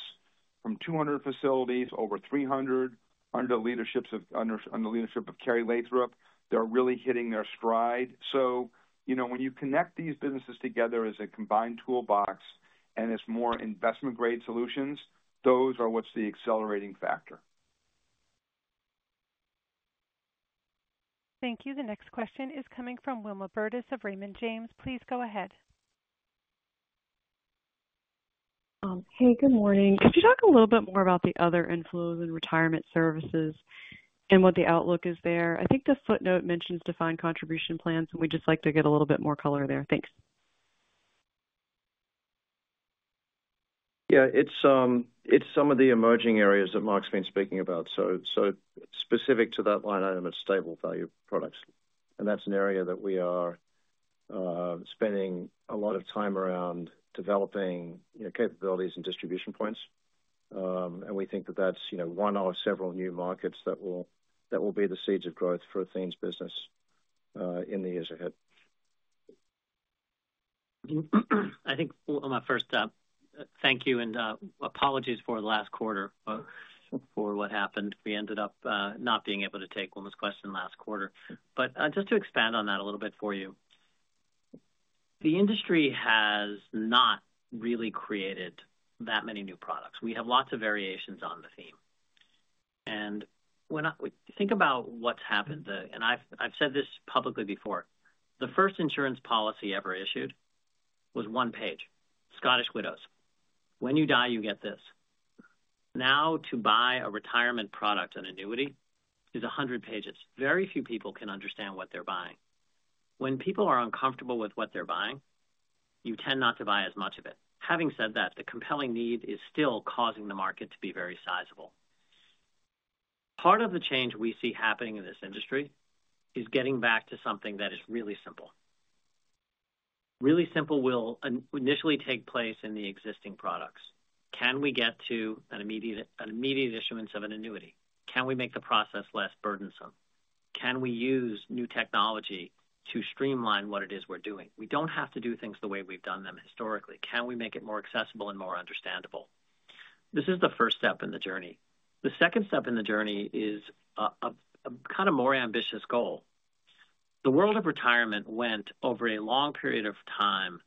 from 200 facilities, over 300 under leadership of, under leadership of Kerry Lathrop, they're really hitting their stride. When you connect these businesses together as a combined toolbox and it's more investment grade solutions, those are what's the accelerating factor? Thank you. The next question is coming from Wilma Burdis of Raymond James. Please go ahead. Hey, good morning. Could you talk a little bit more about the other inflows in retirement services and what the outlook is there? I think the footnote mentions defined contribution plans and we'd just like to get. A little bit more color there. Thanks. Yeah, it's some of the emerging areas that Marc's been speaking about, specific to that line item at Stable Value Products. That's an area that we are spending a lot of time around developing capabilities and distribution points. We think that that's one of several new markets that will be the seeds of growth for Athene's business in the years ahead. Wilma, first, thank you and apologies for the last quarter for what happened. We ended up not being able to take Wilma's question last quarter. Just to expand on that a little bit for you, the industry has not really created that many new products. We have lots of variations on the theme. When you think about what's happened, and I've said this publicly before, the first insurance policy ever issued was one page, Scottish Widows. When you die, you get this. Now, to buy a retirement product, an annuity is 100 pages. Very few people can understand what they're buying. When people are uncomfortable with what they're buying, you tend not to buy as much of it. Having said that, the compelling need is still causing the market to be very sizable. Part of the change we see happening in this industry is getting back to something that is really simple. Really simple will initially take place in the existing products. Can we get to an immediate issuance of an annuity? Can we make the process less burdensome? Can we use new technology to streamline what it is we're doing? We don't have to do things the way we've done them historically. Can we make it more accessible and more understandable? This is the first step in the journey. The second step in the journey is a kind of more ambitious goal. The world of retirement went over a long period of time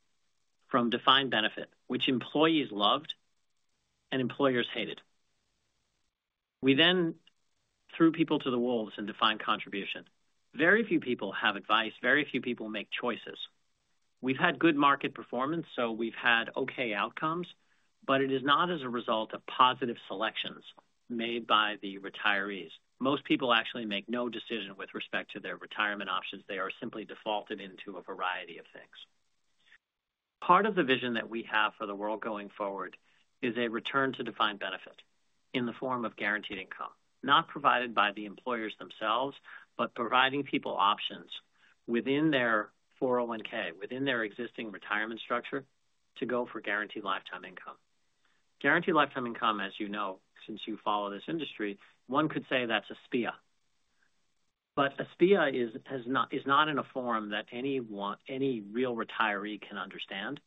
from defined benefit, which employees loved and employers hated. We then threw people to the wolves in defined contribution. Very few people have advice, very few people make choices. We've had good market performance, so we've had okay outcomes, but it is not as a result of positive selections made by the retirees. Most people actually make no decision with respect to their retirement options. They are simply defaulted into a variety of things. Part of the vision that we have for the world going forward is a return to defined benefit in the form of guaranteed income not provided by the employers themselves, but providing people options within their 401(k) within their existing retirement structure to go for guaranteed lifetime income. Guaranteed lifetime income. As you know, since you follow this industry, one could say that's a SPIA, but a SPIA is not in a form that any real retiree can understand.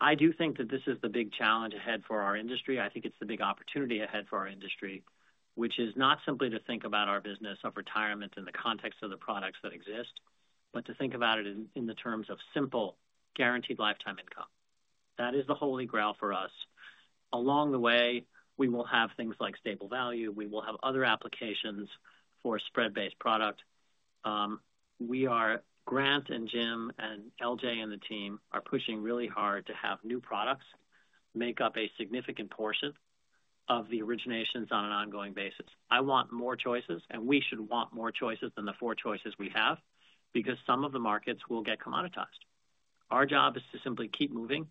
I do think that this is the big challenge ahead for our industry. I think it's the big opportunity ahead for our industry, which is not simply to think about our business of retirement in the context of the products that exist, but to think about it in the terms of simple guaranteed lifetime income. That is the holy grail for us. Along the way, we will have things like stable value, we will have other applications for spread-based product. Grant and Jim and LJ and the team are pushing really hard to have new products make up a significant portion of the originations on an ongoing basis. I want more choices, and we should want more choices than the four choices we have because some of the markets will get commoditized. Our job is to simply keep moving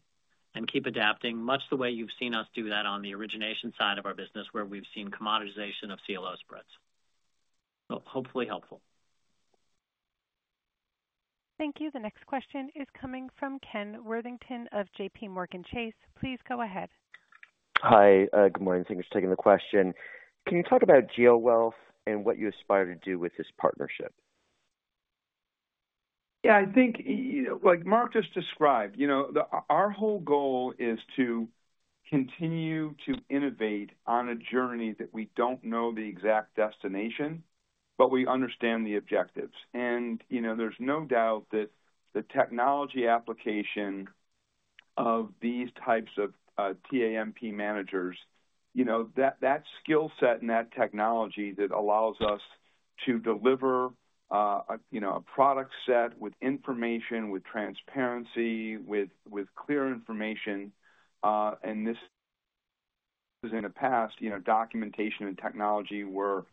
and keep adapting, much the way you've seen us do that on the origination side of our business where we've seen commoditization of CLO spreads. Hopefully helpful. Thank you. The next question is coming from Ken Worthington of JPMorgan Chase. Please go ahead. Hi, good morning. Thanks for taking the question. Can you talk about GeoWealth and what you aspire to do with this partnership? Yeah, I think like Marc just described, our whole goal is to continue to innovate on a journey that we don't know the exact destination, but we understand the objectives. There's no doubt that the technology application of these types of TAMP managers, that skill set and that technology that allows us to deliver a product set with information, with transparency, with clear information. In the past, documentation and technology were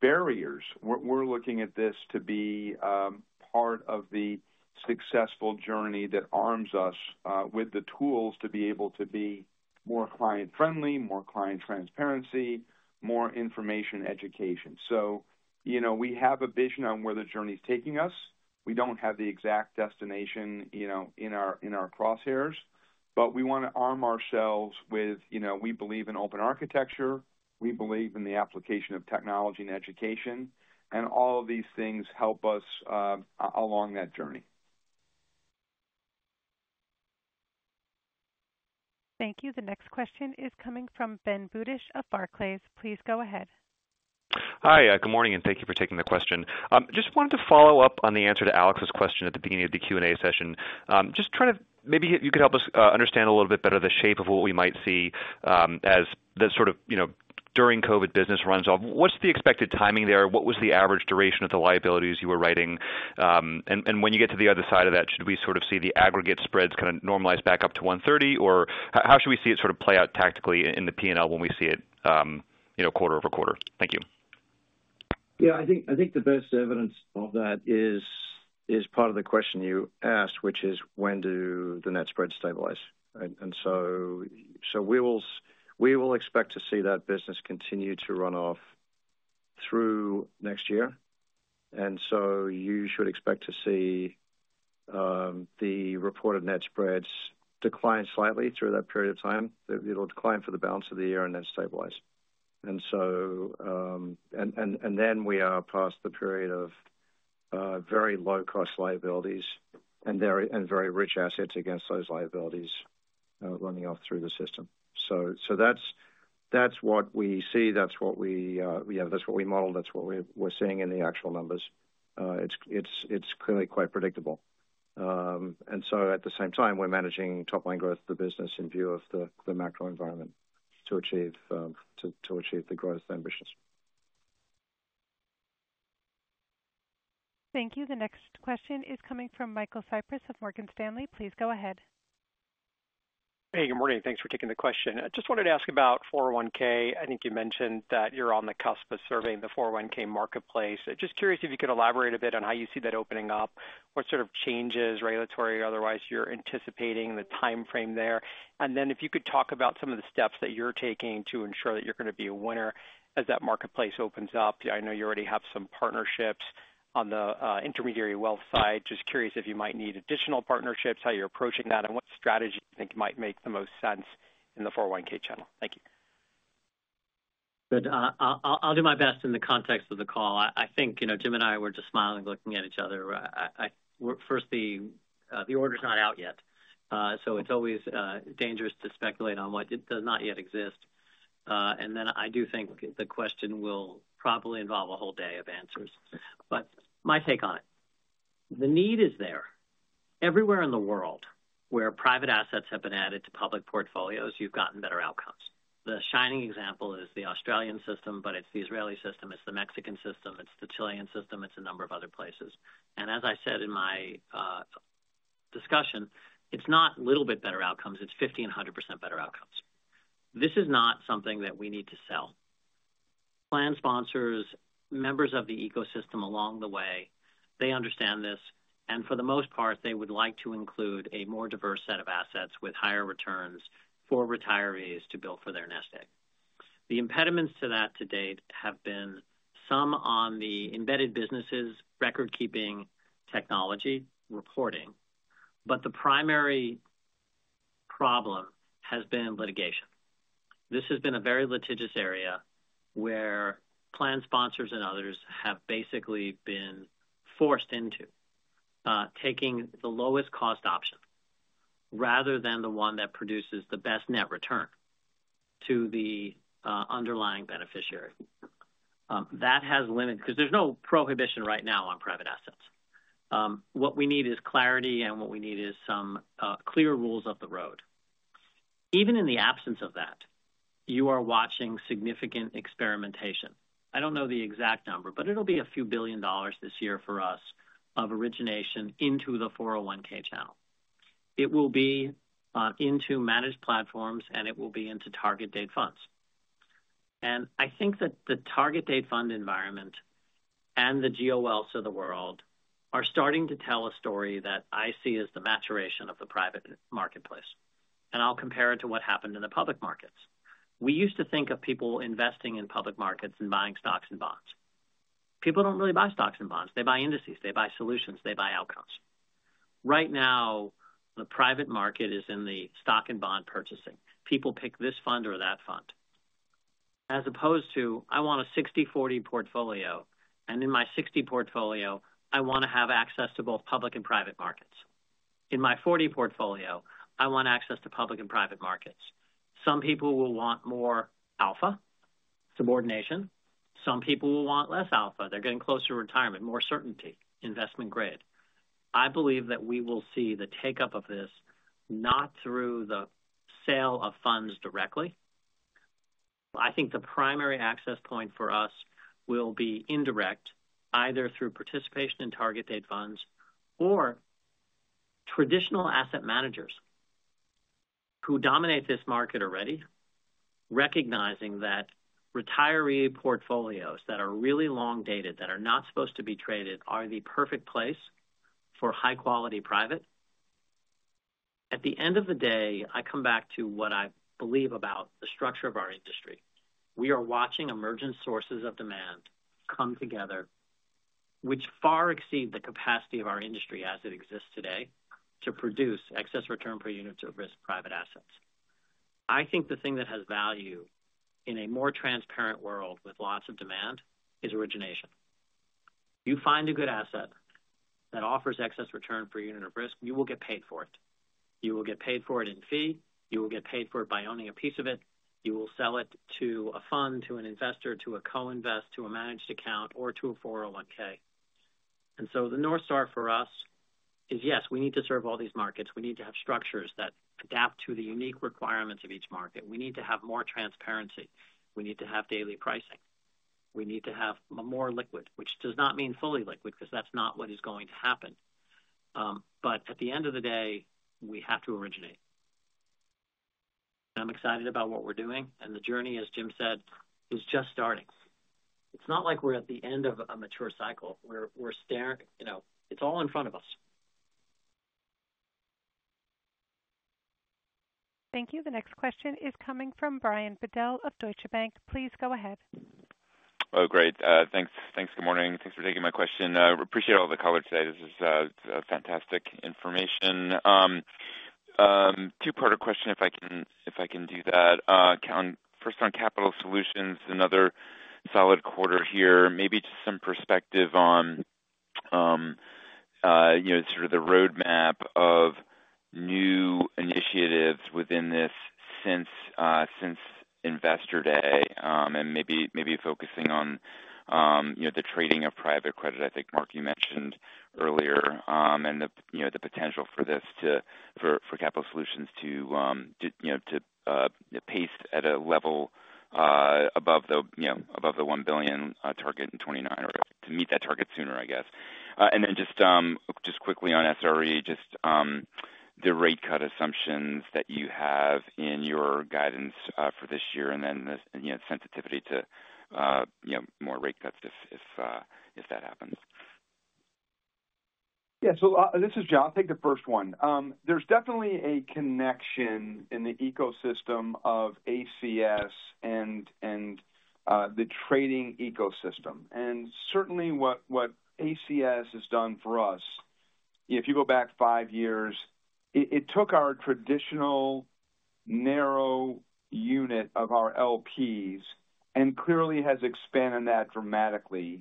barriers. We're looking at this to be part of the successful journey that arms us with the tools to be able to be more client friendly, more client transparency, more information education. We have a vision on where the journey is taking us. We don't have the exact destination in our crosshairs, but we want to arm ourselves with, we believe in open architecture, we believe in the application of technology and education and all of these things help us along that journey. Thank you. The next question is coming from Ben Budish of Barclays. Please go ahead. Hi, good morning and thank you for taking the question. Just wanted to follow up on the answer to Alex's question at the beginning of the Q&A session. Just trying to see if maybe you could help us understand a little bit better the shape of what we might see as the sort of, you know, during COVID business runs off. What's the expected timing there? What was the average duration of the liabilities you were writing? When you get to the other side of that, do we sort of see the aggregate spreads kind of normalize back up to 130 or how should we see it play out tactically in the P&L when we see it quarter-over-quarter. Thank you, yeah. I think the best evidence of that is part of the question you asked, which is when do the net spreads stabilize? We will expect to see that business continue to run off through next year, so you should expect to see the reported net spreads decline slightly through that period of time. It'll decline for the balance of the year and then stabilize. We are past the period of very low cost liabilities and very rich assets against those liabilities running off through the system. That's what we see, that's what we model, that's what we're seeing in the actual numbers. It's clearly quite predictable. At the same time, we're managing top line growth of the business in view of the macro environment. To. Achieve the greatest ambitions. Thank you. The next question is coming from Michael Cypyrs of Morgan Stanley. Please go ahead. Hey, good morning. Thanks for taking the question. I just wanted to ask about 401(k). I think you mentioned that you're on the cusp of serving the 401(k) marketplace. Just curious if you could elaborate a bit on how you see that opening up. What sort of changes, regulatory or otherwise, you're anticipating, the timeframe there. If you could talk about some of the steps that you're taking to ensure that you're going to be a winner as that marketplace opens up. I know you already have some partnerships on the intermediary wealth side. Just curious if you might need additional partnerships, how you're approaching that, and what strategy you think might make the most sense in the 401(k) channel. Thank you, but I'll do my best in the context of the call. I think, you know, Jim and I were just smiling, looking at each other. First, the order's not out yet. It's always dangerous to speculate on what does not yet exist. I do think the question will probably involve a whole day of answers. My take on it, the need is there everywhere in the world where private assets have been added to public portfolios. You've gotten better outcomes. The shining example is the Australian system, but it's the Israeli system, it's the Mexican system, it's the Chilean system, it's a number of other places. As I said in my discussion, it's not a little bit better outcomes, it's 50% and 100% better outcomes. This is not something that we need to sell. Plan sponsors, members of the ecosystem along the way, they understand this and for the most part they would like to include a more diverse set of assets with higher returns for retirees to build for their nest egg. The impediments to that to date have been some on the embedded businesses, record keeping, technology, reporting. The primary problem has been litigation. This has been a very litigious area where plan sponsors and others have basically been forced into taking the lowest cost option rather than the one that produces the best net return to the underlying beneficiary. That has limit because there's no prohibition right now on private assets. What we need is clarity and what we need is some clear rules of the road. Even in the absence of that, you are watching significant experimentation. I don't know the exact number, but it'll be a few billion dollars this year for us of origination into the 401(k) channel. It will be into managed platforms and it will be into target date funds. I think that the target date fund environment and the goals of the world are starting to tell a story that I see as the maturation of the private marketplace. I'll compare it to what happened in the public markets. We used to think of people investing in public markets and buying stocks and bonds. People don't really buy stocks and bonds. They buy indices, they buy solutions, they buy outcomes. Right now, the private market is in the stock and bond purchasing. People pick this fund or that fund as opposed to, I want a 60/40 portfolio and in my 60 portfolio I want to have access to both public and private markets. In my 40 portfolio I want access to public and private markets. Some people will want more alpha subordination. Some people will want less alpha, they're getting closer to retirement, more certainty, investment grade. I believe that we will see the take up of this not through the sale of funds directly. I think the primary access point for us will be indirect, either through participation in target date funds or traditional asset managers who dominate this market already, recognizing that retiree portfolios that are really long dated, that are not supposed to be traded, are the perfect place for high quality private. At the end of the day, I come back to what I believe about the structure of our industry. We are watching emergent sources of demand come together which far exceed the capacity of our industry as it exists today to produce excess return per unit of risk private assets. I think the thing that has value in a more transparent world with lots of demand is origination. You find a good asset that offers excess return per unit of risk, you will get paid for it. You will get paid for it in fee. You will get paid for it by owning a piece of it. You will sell it to a fund, to an investor, to a co-invest, to a managed account, or to a 401(k). The North Star for us is yes, we need to serve all these markets. We need to have structures that adapt to the unique requirements of each market. We need to have more transparency, we need to have daily pricing, we need to have more liquid, which does not mean fully liquid because that's not what is going to happen. At the end of the day, we have to originate. I'm excited about what we're doing and the journey, as Jim Zelter said, is just starting. It's not like we're at the end of a mature cycle. We're staring, you know, it's all in front of us. Thank you. The next question is coming from Brian Bedell of Deutsche Bank. Please go ahead. Oh great, thanks. Good morning. Thanks for taking my question. Appreciate all the color today. This is fantastic information. Two-parter question, if I can do that. First on Capital Solutions, another solid quarter here. Maybe just some perspective on the roadmap of new initiatives within this since Investor Day and maybe focusing on the trading of private credit. I think Marc, you mentioned earlier and the potential for this, for Capital Solutions to pace at a level above the $1 billion target in 2029 or to meet that target sooner, I guess. Then just quickly on SRE, just the rate cut assumptions that you have in your guidance for this year and then sensitivity to more rate cuts if that happens. Yeah, this is John, I'll take the first one. There's definitely a connection in the ecosystem of ACS and the trading ecosystem and certainly what ACS has done for us. If you go back five years, it took our traditional narrow unit of our LPs and clearly has expanded that dramatically.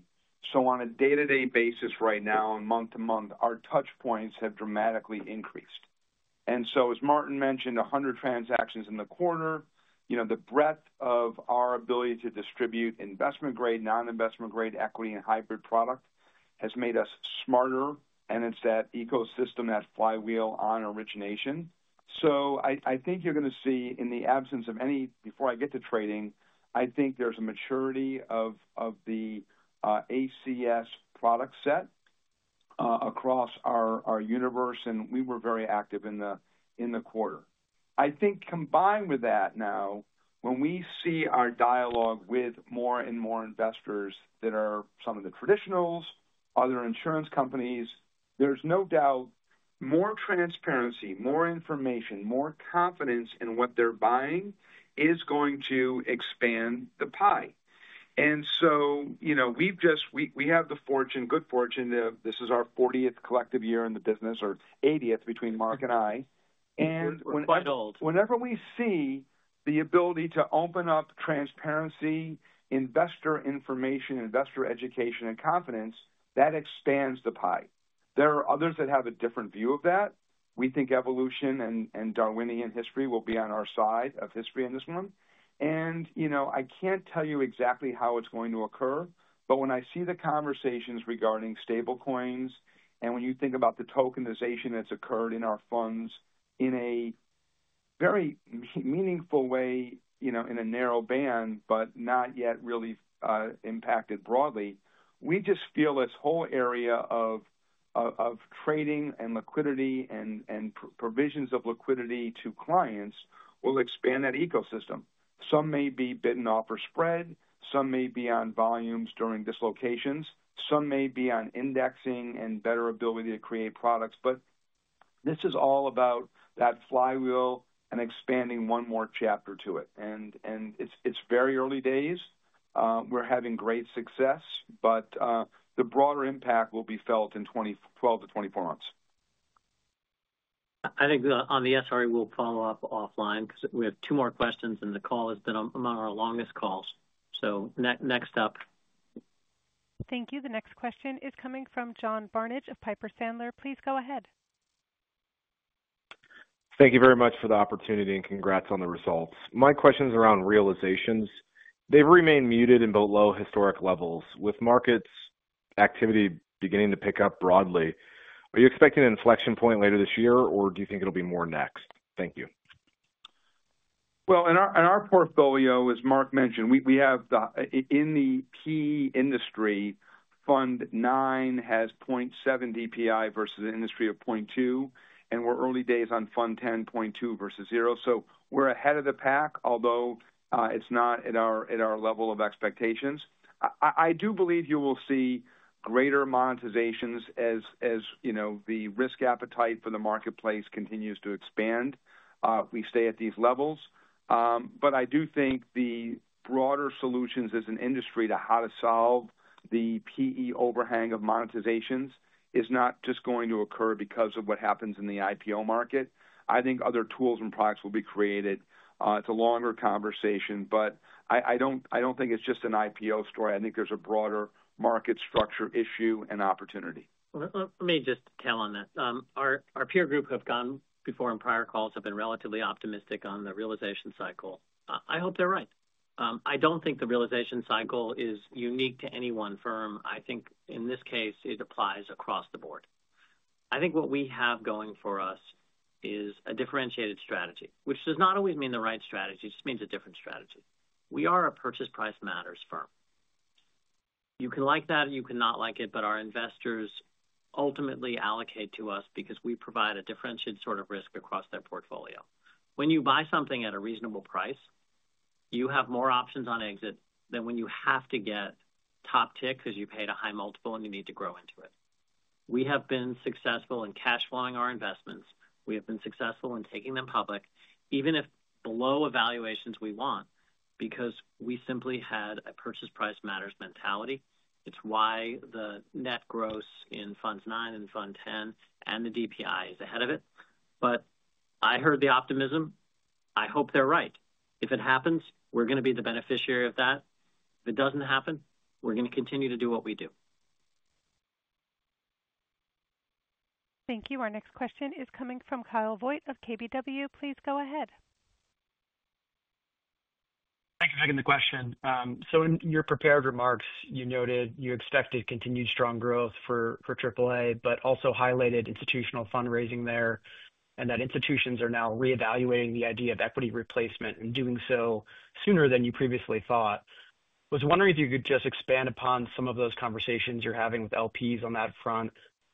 On a day-to-day basis right now and month-to-month, our touch points have dramatically increased. As Martin mentioned, 100 transactions in the quarter. The breadth of our ability to distribute investment grade, non-investment grade, equity, and hybrid product has made us smarter, and it's that ecosystem, that flywheel on origination. I think you're going to see, in the absence of any—before I get to trading, I think there's a maturity of the ACS product set across our universe and we were very active in the quarter. Combined with that, now when we see our dialogue with more and more investors that are some of the traditionals, other insurance companies, there's no doubt more transparency, more information, more confidence in what they're buying is going to expand the pie. We've just, we have the fortune, good fortune. This is our 40th collective year in the business or 80th between Marc and I. Whenever we see the ability to open up transparency, investor information, investor education, and confidence, that expands the pie. There are others that have a different view of that. We think evolution and Darwinian history will be on our side of history in this one. I can't tell you exactly how it's going to occur, but when I see the conversations regarding stablecoins and when you think about the tokenization that's occurred in our funds in a very meaningful way in a narrow band but not yet really impacted broadly, we just feel this whole area of trading and liquidity and provisions of liquidity to clients will expand that ecosystem. Some may be bidden off or spread, some may be on volumes during dislocations, some may be on indexing and better ability to create products. This is all about that flywheel and expanding one more chapter to it. It's very early days. We're having great success, but the broader impact will be felt in 12 to 24 months. I think on the SRE we'll follow up offline because we have two more questions, and the call has been among our longest calls. Next up. Thank you. The next question is coming from John Barnidge of Piper Sandler. Please go ahead. Thank you very much for the opportunity and congrats on the results. My question is around realizations. They remain muted and below historic levels, with markets activity beginning to pick up broadly. Are you expecting an inflection point later this year, or do you think it'll be more next? Thank you. In our portfolio, as Marc mentioned, we have in the private equity industry, Fund 9 has 0.7 DPI versus the industry of 0.2 and we're early days on Fund 10, 0.2 versus 0. So we're ahead of the pack. Although it's not at our level of expectations, I do believe you will see greater monetizations. As you know, the risk appetite for the marketplace continues to expand. We stay at these levels. I do think the broader solutions as an industry to how to solve the private equity overhang of monetizations is not just going to occur because of what happens in the IPO market. I think other tools and products will be created. It's a longer conversation, but I don't think it's just an IPO story. I think there's a broader market structure issue and opportunity. Let me just tell on that. Our peer group have gone before in prior calls have been relatively optimistic on the realization cycle. I hope they're right. I don't think the realization cycle is unique to any one firm. I think in this case it applies across the board. I think what we have going for us is a differentiated strategy, which does not always mean the right strategy, just means a different strategy. We are a purchase price matters firm. You can like that and you cannot like it. Our investors ultimately allocate to us because we provide a differentiated sort of risk across their portfolio. When you buy something at a reasonable price, you have more options on exit than when you have to get top tick because you paid a high multiple and you need to grow into it. We have been successful in cash flowing our investments. We have been successful in taking them public even if below valuations we want because we simply had a purchase price matters mentality. It's why the net gross in funds 9 and fund 10 and the DPI is ahead of it. I heard the optimism. I hope they're right. If it happens, we're going to be the beneficiary of that. If it doesn't happen, we're going to continue to do what we do. Thank you. Our next question is coming from Kyle Voigt of KBW. Please go ahead. Thanks for taking the question. In your prepared remarks you noted you expected continued strong growth for AAA, but also highlighted institutional fundraising there and that institutions are now reevaluating the idea of equity replacement and doing so sooner than you previously thought. Was wondering if you could just expand upon some of those conversations you're having. With LPs on that front.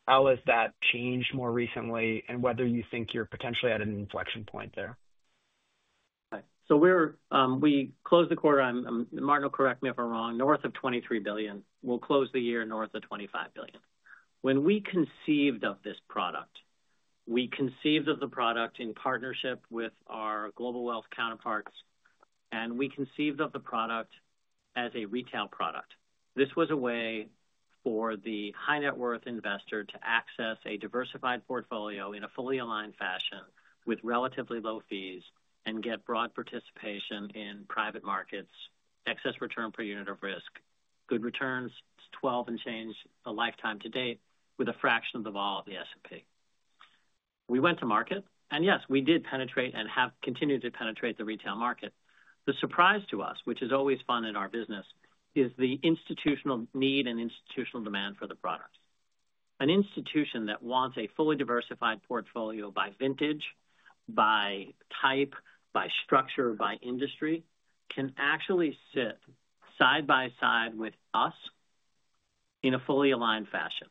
How has that changed more recently and whether you think you're potentially at an inflection point there? We closed the quarter, Martin will correct me if I'm wrong, north of $23 billion. We'll close the year north of $25 billion. When we conceived of this product, we conceived of the product in partnership with our global wealth counterparts and we conceived of the product as a retail product. This was a way for the high net worth investor to access a diversified portfolio in a fully aligned fashion with relatively low fees and get broad participation in private markets. Excess return per unit of risk, good returns, 12 and change a lifetime to date with a fraction of the volume the S&P. We went to market and yes, we did penetrate and have continued to penetrate the retail market. The surprise to us, which is always fun in our business, is the institutional need and institutional demand for the product. An institution that wants a fully diversified portfolio by vintage, by type, by structure, by industry, can actually sit side by side with us in a fully aligned fashion.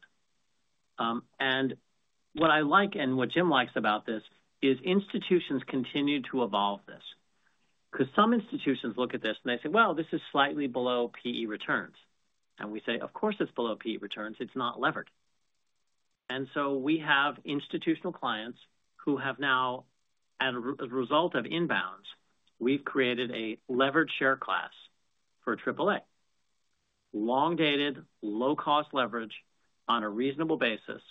What I like and what Jim likes about this is institutions continue to evolve this because some institutions look at this and they say, this is slightly below private equity returns. We say, of course it's below private equity returns, it's not levered. We have institutional clients who have now, as a result of inbounds, we've created a levered share class for AAA, long-dated low-cost leverage on a reasonable basis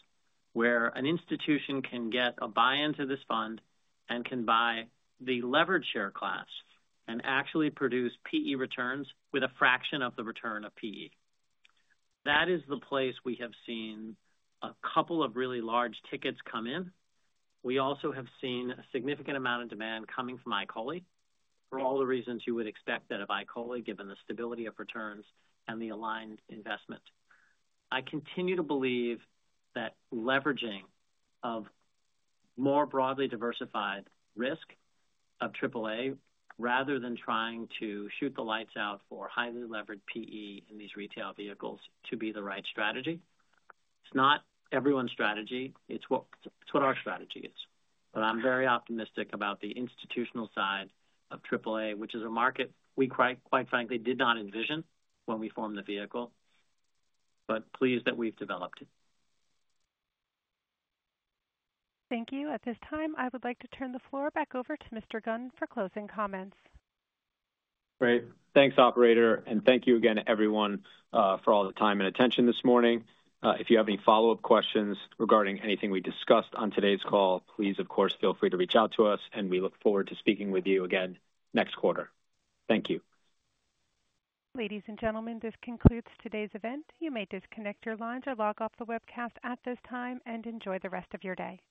where an institution can get a buy into this fund and can buy the levered share class and actually produce private equity returns with a fraction of the return of private equity. That is the place we have seen a couple of really large tickets come in. We also have seen a significant amount of demand coming from ICOLI for all the reasons you would expect out of ICOLI given the stability of returns and the aligned investment. I continue to believe that leveraging of more broadly diversified risk of AAA rather than trying to shoot the lights out for highly levered private equity in these retail vehicles to be the right strategy. It's not everyone's strategy. It's what our strategy is. I'm very optimistic about the institutional side of AAA, which is a market we quite frankly did not envision when we formed the vehicle, but pleased that we've developed. Thank you. At this time, I would like to turn the floor back over to Mr. Gunn for closing comments. Great. Thank you, operator. Thank you again, everyone, for all the time and attention this morning. If you have any follow-up questions. Regarding anything we discussed on today's call, please, of course, feel free to reach out to us, and we look forward to speaking with you again next quarter. Thank you. Ladies and gentlemen, this concludes today's event. You may disconnect your lines or log off the webcast at this time and enjoy the rest of your day.